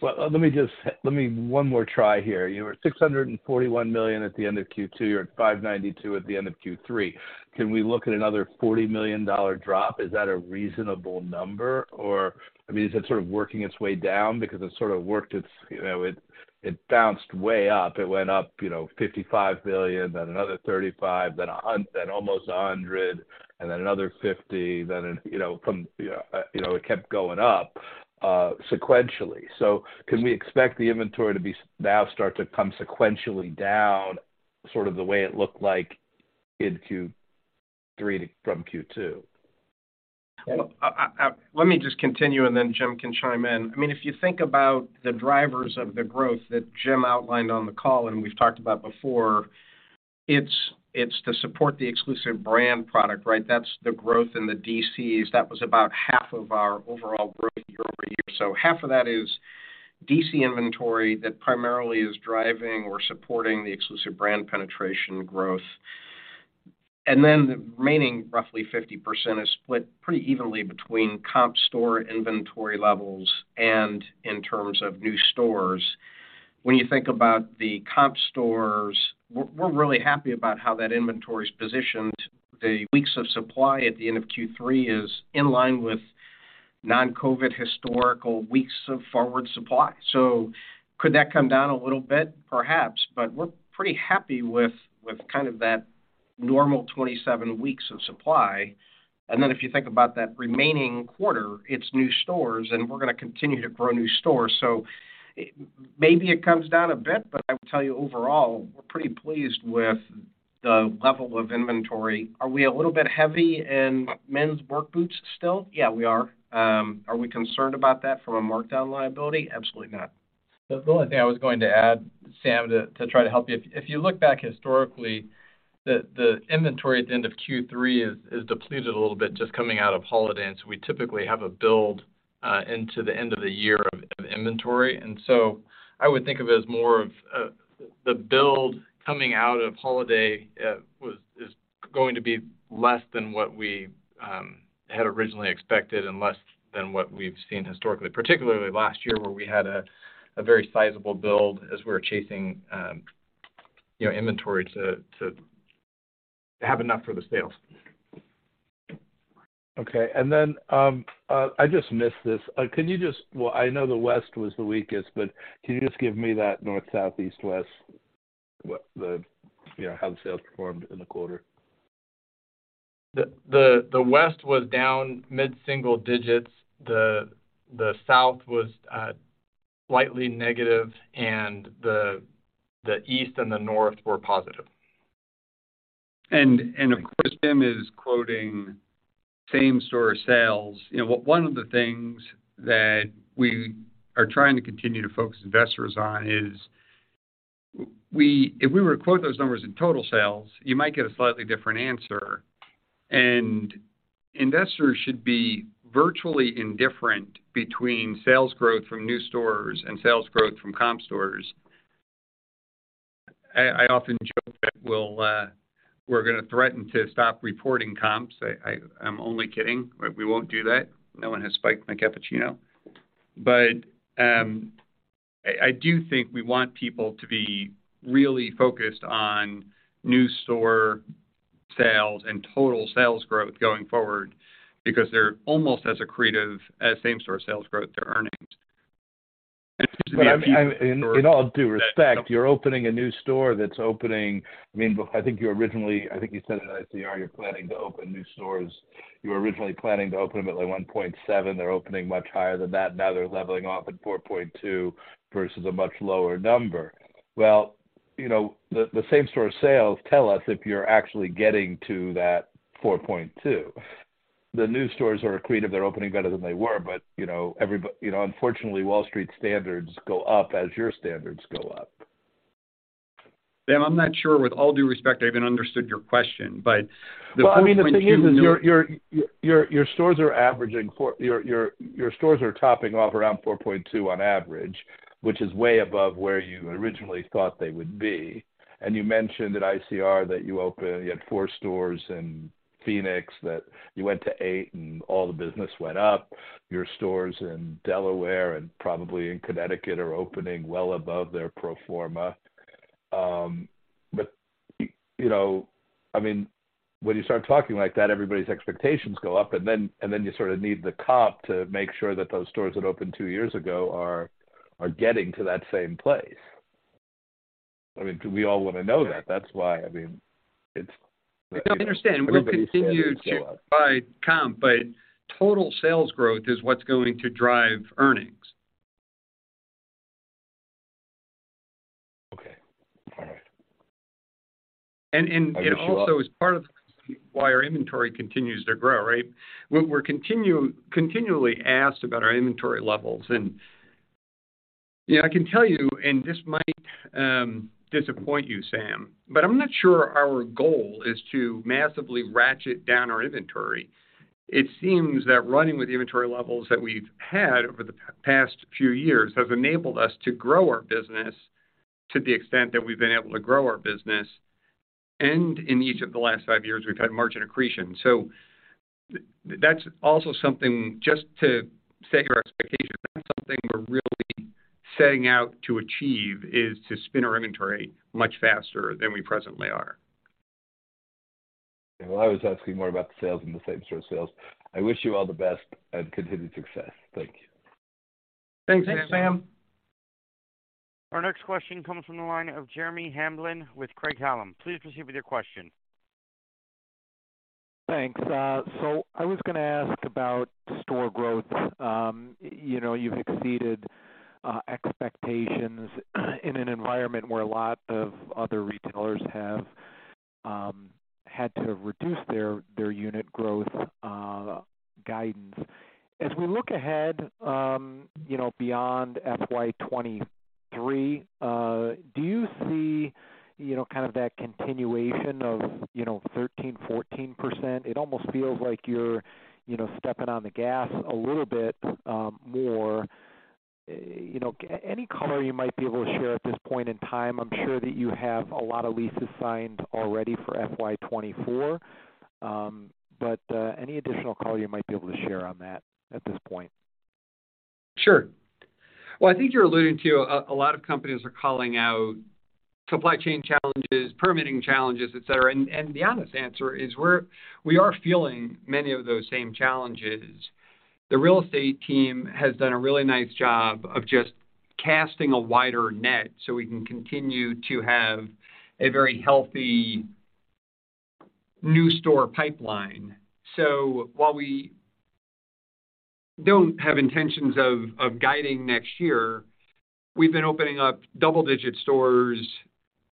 Well, let me one more try here. You were at $641 million at the end of Q2. You're at $592 million at the end of Q3. Can we look at another $40 million drop? Is that a reasonable number or, I mean, is it sort of working its way down because it sort of worked its, you know, it bounced way up. It went up, you know, $55 million, then another $35 million, then almost $100 million, and then another $50 million, then an, you know, from, you know, it kept going up sequentially. Can we expect the inventory now start to come sequentially down sort of the way it looked like in Q3 from Q2? Well, let me just continue, and then Jim can chime in. I mean, if you think about the drivers of the growth that Jim outlined on the call and we've talked about before, it's to support the exclusive brand product, right? That's the growth in the DCs. That was about half of our overall growth year-over-year. Half of that is DC inventory that primarily is driving or supporting the exclusive brand penetration growth. The remaining roughly 50% is split pretty evenly between comp store inventory levels and in terms of new stores. When you think about the comp stores, we're really happy about how that inventory is positioned. The weeks of supply at the end of Q3 is in line with non-COVID historical weeks of forward supply. Could that come down a little bit? Perhaps we're pretty happy with kind of that normal 27 weeks of supply. If you think about that remaining quarter, it's new stores, and we're gonna continue to grow new stores. Maybe it comes down a bit, but I will tell you overall, we're pretty pleased with the level of inventory. Are we a little bit heavy in men's work boots still? Yeah, we are. Are we concerned about that from a markdown liability? Absolutely not. The only thing I was going to add, Sam, to try to help you. If you look back historically, the inventory at the end of Q3 is depleted a little bit just coming out of holiday. We typically have a build into the end of the year of inventory. I would think of it as more of the build coming out of holiday is going to be less than what we had originally expected and less than what we've seen historically, particularly last year, where we had a very sizable build as we're chasing, you know, inventory to have enough for the sales. Okay. I just missed this. Well, I know the West was the weakest, but can you just give me that North, South, East, West, You know, how the sales performed in the quarter? The West was down mid-single digits. The South was slightly negative, and the East and the North were positive. Of course, Jim is quoting same-store sales. You know, one of the things that we are trying to continue to focus investors on is if we were to quote those numbers in total sales, you might get a slightly different answer. Investors should be virtually indifferent between sales growth from new stores and sales growth from comp stores. I often joke that we're gonna threaten to stop reporting comps. I'm only kidding. We won't do that. No one has spiked my cappuccino. I do think we want people to be really focused on new store sales and total sales growth going forward because they're almost as accretive as same-store sales growth to earnings. I In all due respect, you're opening a new store that's opening. I mean, I think you originally said in ICR, you're planning to open new stores. You were originally planning to open them at, like, 1.7%. They're opening much higher than that. Now they're leveling off at 4.2% versus a much lower number. You know, the same-store sales tell us if you're actually getting to that 4.2%. The new stores are accretive. They're opening better than they were, but, you know, unfortunately, Wall Street standards go up as your standards go up. Sam, I'm not sure with all due respect, I even understood your question, but the $0.2 million- Well, I mean, the thing is your stores are averaging four. Your stores are topping off around 4.2 on average, which is way above where you originally thought they would be. You mentioned at ICR that you had four stores in Phoenix, that you went to eight and all the business went up. Your stores in Delaware and probably in Connecticut are opening well above their pro forma. You know, I mean, when you start talking like that, everybody's expectations go up, and then you sort of need the comp to make sure that those stores that opened two years ago are getting to that same place. I mean, we all wanna know that. That's why. I mean. No, I understand. Everybody's standards go up. We'll continue to buy comp, but total sales growth is what's going to drive earnings. Okay. All right. It also is part of why our inventory continues to grow, right? We're continually asked about our inventory levels. You know, I can tell you, and this might disappoint you, Sam, but I'm not sure our goal is to massively ratchet down our inventory. It seems that running with inventory levels that we've had over the past few years has enabled us to grow our business to the extent that we've been able to grow our business. In each of the last five years, we've had margin accretion. That's also something just to set your expectations. That's something we're really setting out to achieve, is to spin our inventory much faster than we presently are. Well, I was asking more about the sales and the same-store sales. I wish you all the best and continued success. Thank you. Thanks, Sam. Our next question comes from the line of Jeremy Hamblin with Craig-Hallum. Please proceed with your question. Thanks. I was gonna ask about store growth. You know, you've exceeded expectations in an environment where a lot of other retailers have had to reduce their unit growth guidance. As we look ahead, you know, beyond FY 23, do you see, you know, kind of that continuation of 13%-14%? It almost feels like you're, you know, stepping on the gas a little bit more. You know, any color you might be able to share at this point in time. I'm sure that you have a lot of leases signed already for FY 24. Any additional color you might be able to share on that at this point. Sure. Well, I think you're alluding to a lot of companies are calling out supply chain challenges, permitting challenges, et cetera. The honest answer is we are feeling many of those same challenges. The real estate team has done a really nice job of just casting a wider net so we can continue to have a very healthy new store pipeline. While we don't have intentions of guiding next year, we've been opening up double-digit stores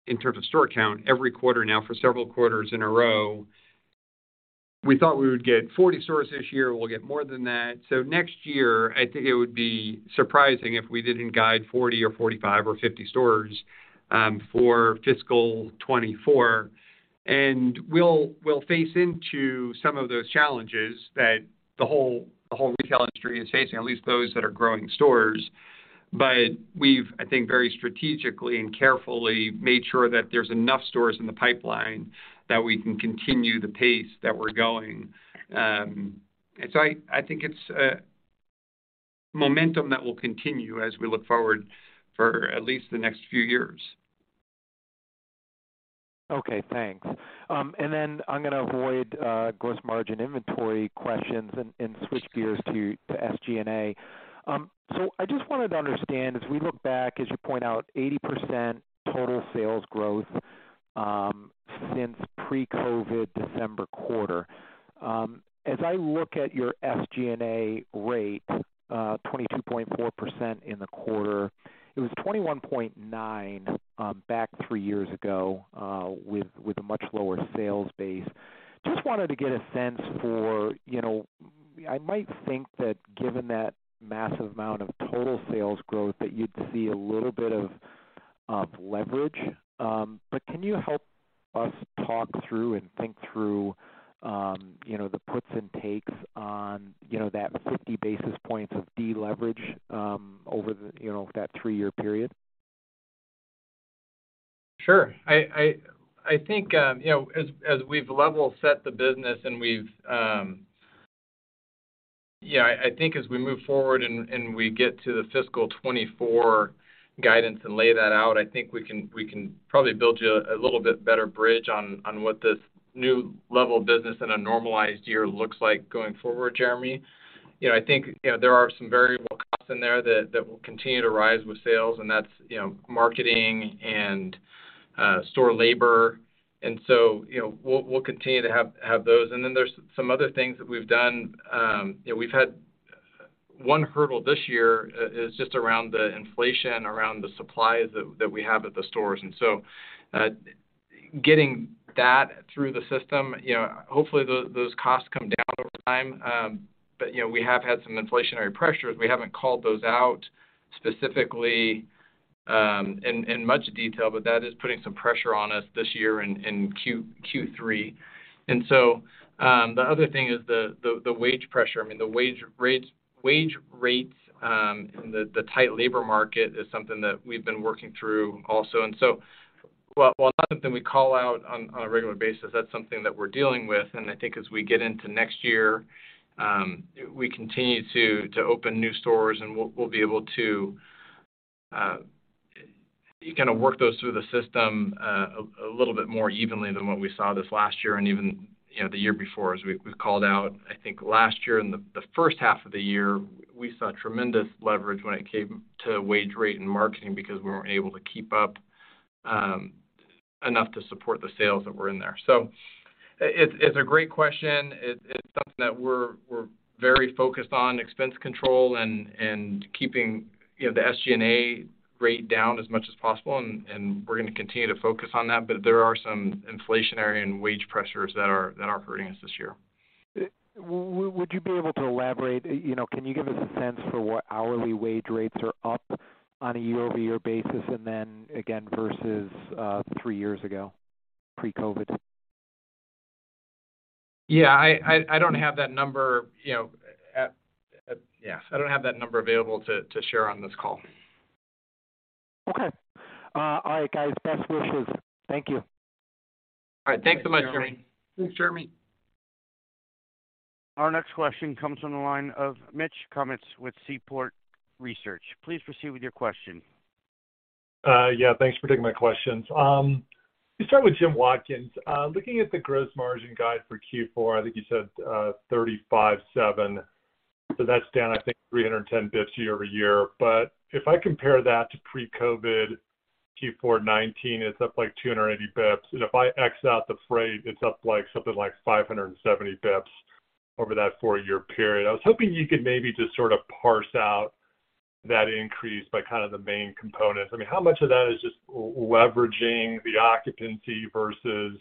in terms of store count every quarter now for several quarters in a row. We thought we would get 40 stores this year. We'll get more than that. Next year, I think it would be surprising if we didn't guide 40 or 45 or 50 stores for fiscal 2024. We'll, we'll face into some of those challenges that the whole, the whole retail industry is facing, at least those that are growing stores. We've, I think, very strategically and carefully made sure that there's enough stores in the pipeline that we can continue the pace that we're going. I think it's a momentum that will continue as we look forward for at least the next few years. Okay, thanks. I'm gonna avoid gross margin inventory questions and switch gears to SG&A. I just wanted to understand, as we look back, as you point out, 80% total sales growth since pre-COVID December quarter. As I look at your SG&A rate, 22.4% in the quarter, it was 21.9% back three years ago with a much lower sales base. Just wanted to get a sense for, you know, I might think that given that massive amount of total sales growth, that you'd see a little bit of leverage. Can you help us talk through and think through, you know, the puts and takes on, you know, that 50 basis points of deleverage over, you know, that three-year period? Sure. I think, you know, as we've level set the business. Yeah, I think as we move forward and we get to the fiscal 24 guidance and lay that out, I think we can probably build you a little bit better bridge on what this new level of business in a normalized year looks like going forward, Jeremy. You know, I think, you know, there are some variable costs in there that will continue to rise with sales, and that's, you know, marketing and store labor. You know, we'll continue to have those. And then there's some other things that we've done. One hurdle this year is just around the inflation, around the supplies that we have at the stores. Getting that through the system, you know, hopefully those costs come down over time. You know, we have had some inflationary pressures. We haven't called those out specifically, in much detail, but that is putting some pressure on us this year in Q3. The other thing is the wage pressure. I mean, the wage rates, and the tight labor market is something that we've been working through also. While it's not something we call out on a regular basis, that's something that we're dealing with. I think as we get into next year, we continue to open new stores and we'll be able to kind of work those through the system a little bit more evenly than what we saw this last year and even, you know, the year before. We called out, I think last year in the first half of the year, we saw tremendous leverage when it came to wage rate and marketing because we weren't able to keep up enough to support the sales that were in there. It's a great question. It's something that we're very focused on expense control and keeping, you know, the SG&A rate down as much as possible, and we're gonna continue to focus on that ,there are some inflationary and wage pressures that are hurting us this year. Would you be able to elaborate. You know, can you give us a sense for what hourly wage rates are up on a year-over-year basis and then again versus, three years ago, pre-COVID? Yeah. I don't have that number, you know. Yeah, I don't have that number available to share on this call. Okay. All right, guys. Best wishes. Thank you. All right. Thanks so much, Jeremy. Thanks, Jeremy. Our next question comes from the line of Mitch Kummetz with Seaport Research. Please proceed with your question. Yeah, thanks for taking my questions. Let me start with Jim Watkins. Looking at the gross margin guide for Q4, I think you said 35.7%, that's down, I think, 310 BPS year-over-year. If I compare that to pre-COVID Q4 2019, it's up like 280 BPS. If I X out the freight, it's up like something like 570 BPS over that four-year period. I was hoping you could maybe just sort of parse out that increase by kind of the main components. I mean, how much of that is just leveraging the occupancy versus,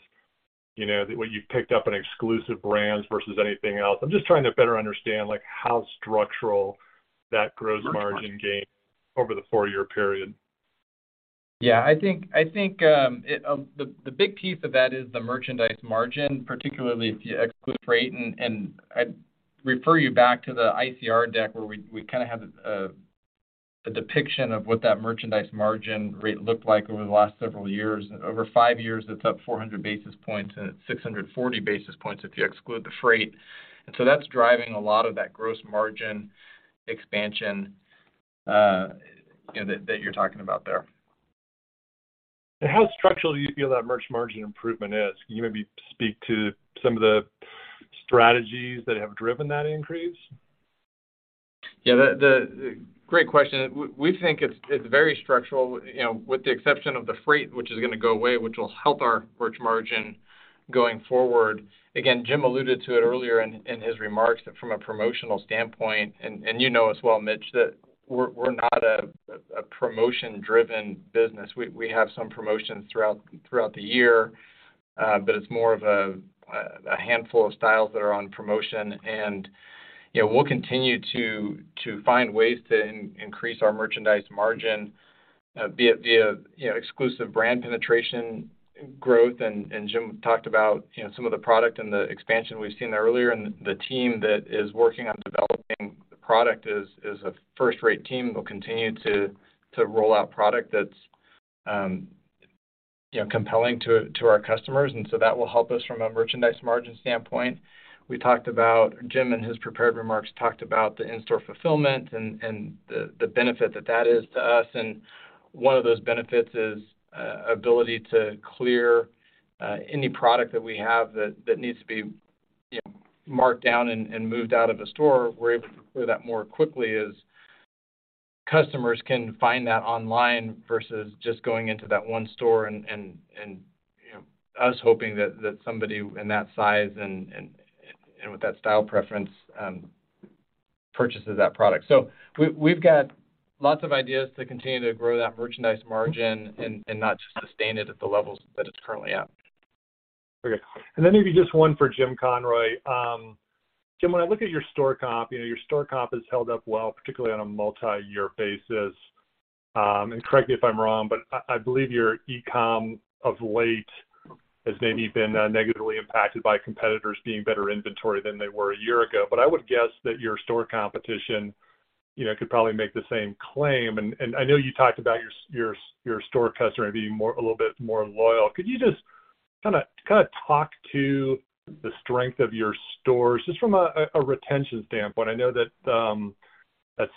you know, what you've picked up in exclusive brands versus anything else? I'm just trying to better understand, like, how structural that gross margin gain over the four-year period. Yeah. I think, I think, The, the big piece of that is the merchandise margin, particularly if you exclude freight. I'd refer you back to the ICR deck where we kind of have a depiction of what that merchandise margin rate looked like over the last several years. Over five years, it's up 400 basis points, and it's 640 basis points if you exclude the freight. That's driving a lot of that gross margin expansion, you know, that you're talking about there. How structural do you feel that merch margin improvement is? Can you maybe speak to some of the strategies that have driven that increase? Great question. We think it's very structural, you know, with the exception of the freight, which is gonna go away, which will help our merch margin going forward. Again, Jim alluded to it earlier in his remarks that from a promotional standpoint. You know as well, Mitch, that we're not a promotion driven business. We have some promotions throughout the year, but it's more of a handful of styles that are on promotion. You know, we'll continue to find ways to increase our merchandise margin, be it via, you know, exclusive brand penetration growth. Jim talked about, you know, some of the product and the expansion we've seen there earlier. The team that is working on developing the product is a first-rate team, will continue to roll out product that's, you know, compelling to our customers. That will help us from a merchandise margin standpoint. Jim, in his prepared remarks, talked about the in-store fulfillment and the benefit that is to us. One of those benefits is ability to clear any product that we have that needs to be, you know, marked down and moved out of the store. We're able to clear that more quickly as customers can find that online versus just going into that one store and, you know, us hoping that somebody in that size and with that style preference purchases that product. we've got lots of ideas to continue to grow that merchandise margin and not just sustain it at the levels that it's currently at. Okay. Maybe just one for Jim Conroy. Jim, when I look at your store comp, you know, your store comp has held up well, particularly on a multi-year basis. Correct me if I'm wrong, but I believe your e-com of late has maybe been negatively impacted by competitors being better inventory than they were a year ago. I would guess that your store competition, you know, could probably make the same claim. I know you talked about your store customer maybe more, a little bit more loyal. Could you just kinda talk to the strength of your stores just from a retention standpoint? I know that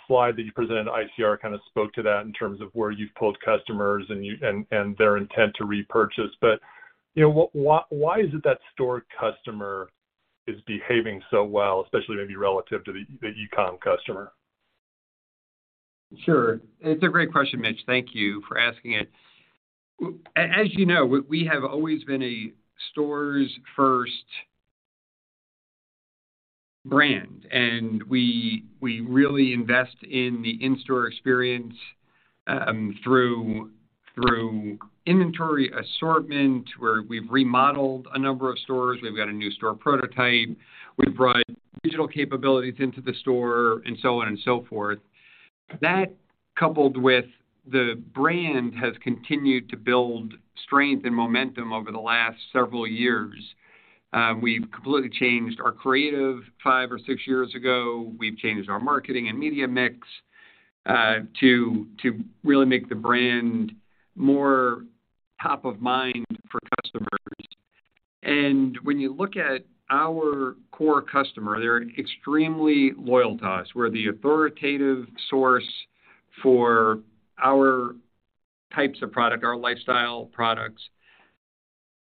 slide that you presented at ICR kinda spoke to that in terms of where you've pulled customers and their intent to repurchase. You know, why is it that store customer is behaving so well, especially maybe relative to the e-com customer? Sure. It's a great question, Mitch. Thank you for asking it. As you know, we have always been a stores first brand, and we really invest in the in-store experience, through inventory assortment, where we've remodeled a number of stores. We've got a new store prototype. We've brought digital capabilities into the store and so on and so forth. That, coupled with the brand, has continued to build strength and momentum over the last several years. We've completely changed our creative five or six years ago. We've changed our marketing and media mix, to really make the brand more top of mind for customers. When you look at our core customer, they're extremely loyal to us. We're the authoritative source for our types of product, our lifestyle products.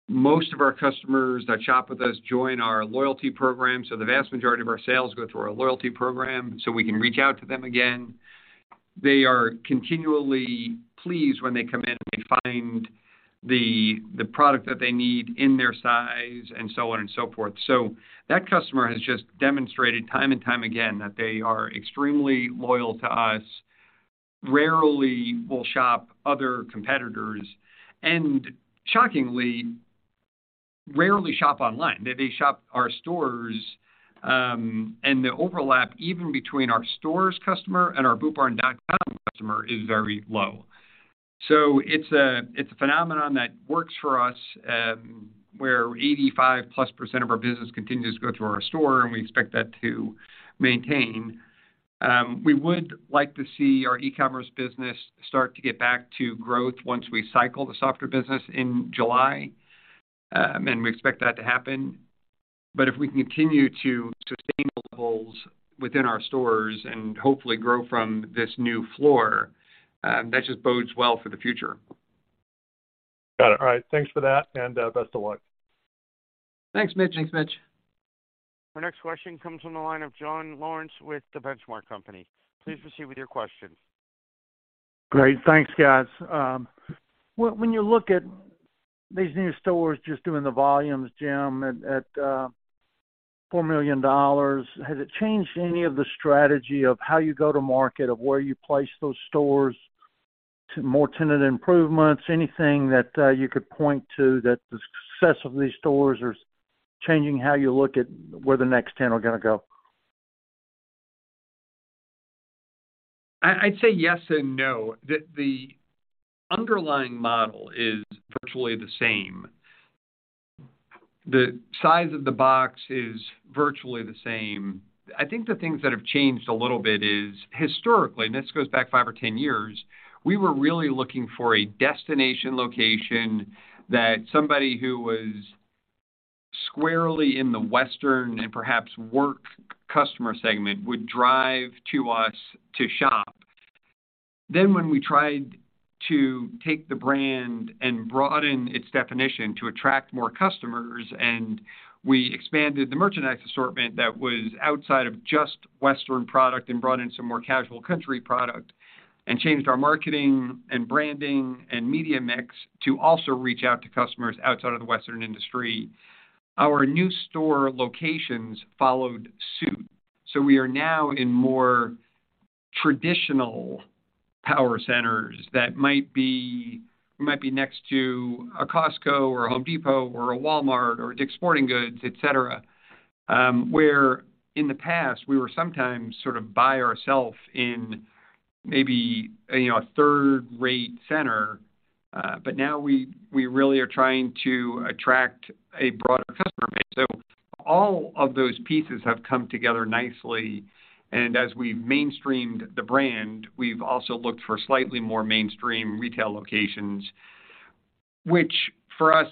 Most of our customers that shop with us join our loyalty program. The vast majority of our sales go through our loyalty program. We can reach out to them again. They are continually pleased when they come in, and they find the product that they need in their size and so on and so forth. That customer has just demonstrated time and time again that they are extremely loyal to us, rarely will shop other competitors, and shockingly, rarely shop online. They shop our stores, and the overlap even between our stores customer and our bootbarn.com customer is very low. It's a phenomenon that works for us, where 85%+ of our business continues to go through our store, and we expect that to maintain. We would like to see our e-commerce business start to get back to growth once we cycle the softer business in July. And we expect that to happen. If we can continue to sustain the levels within our stores and hopefully grow from this new floor, that just bodes well for the future. Got it. All right. Thanks for that and best of luck. Thanks, Mitch. Our next question comes from the line of Jonathan Lawrence with The Benchmark Company. Please proceed with your question. Great. Thanks, guys. When you look at these new stores just doing the volumes, Jim, at $4 million, has it changed any of the strategy of how you go to market, of where you place those stores to more tenant improvements? Anything that you could point to that the success of these stores are changing how you look at where the next 10 are gonna go? I'd say yes and no. The underlying model is virtually the same. The size of the box is virtually the same. I think the things that have changed a little bit is historically, and this goes back five or 10 years, we were really looking for a destination location that somebody who was squarely in the Western and perhaps work customer segment would drive to us to shop. When we tried to take the brand and broaden its definition to attract more customers, and we expanded the merchandise assortment that was outside of just Western product and brought in some more casual country product and changed our marketing and branding and media mix to also reach out to customers outside of the Western industry, our new store locations followed suit. We are now in more traditional power centers that might be next to a Costco or a Home Depot or a Walmart or Sporting Goods, et cetera. Where in the past, we were sometimes sort of by ourself in maybe, you know, a third rate center, now we really are trying to attract a broader customer base. All of those pieces have come together nicely, and as we've mainstreamed the brand, we've also looked for slightly more mainstream retail locations, which for us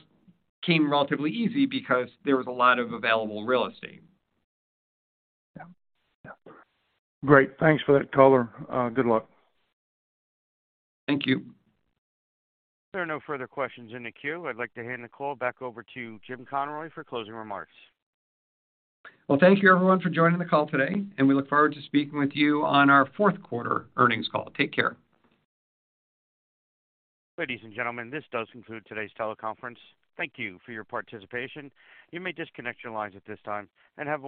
came relatively easy because there was a lot of available real estate. Yeah. Great. Thanks for that color. Good luck. Thank you. If there are no further questions in the queue, I'd like to hand the call back over to Jim Conroy for closing remarks. Well, thank you everyone for joining the call today, and we look forward to speaking with you on our fourth quarter earnings call. Take care. Ladies and gentlemen, this does conclude today's teleconference. Thank you for your participation. You may disconnect your lines at this time and have a wonderful day.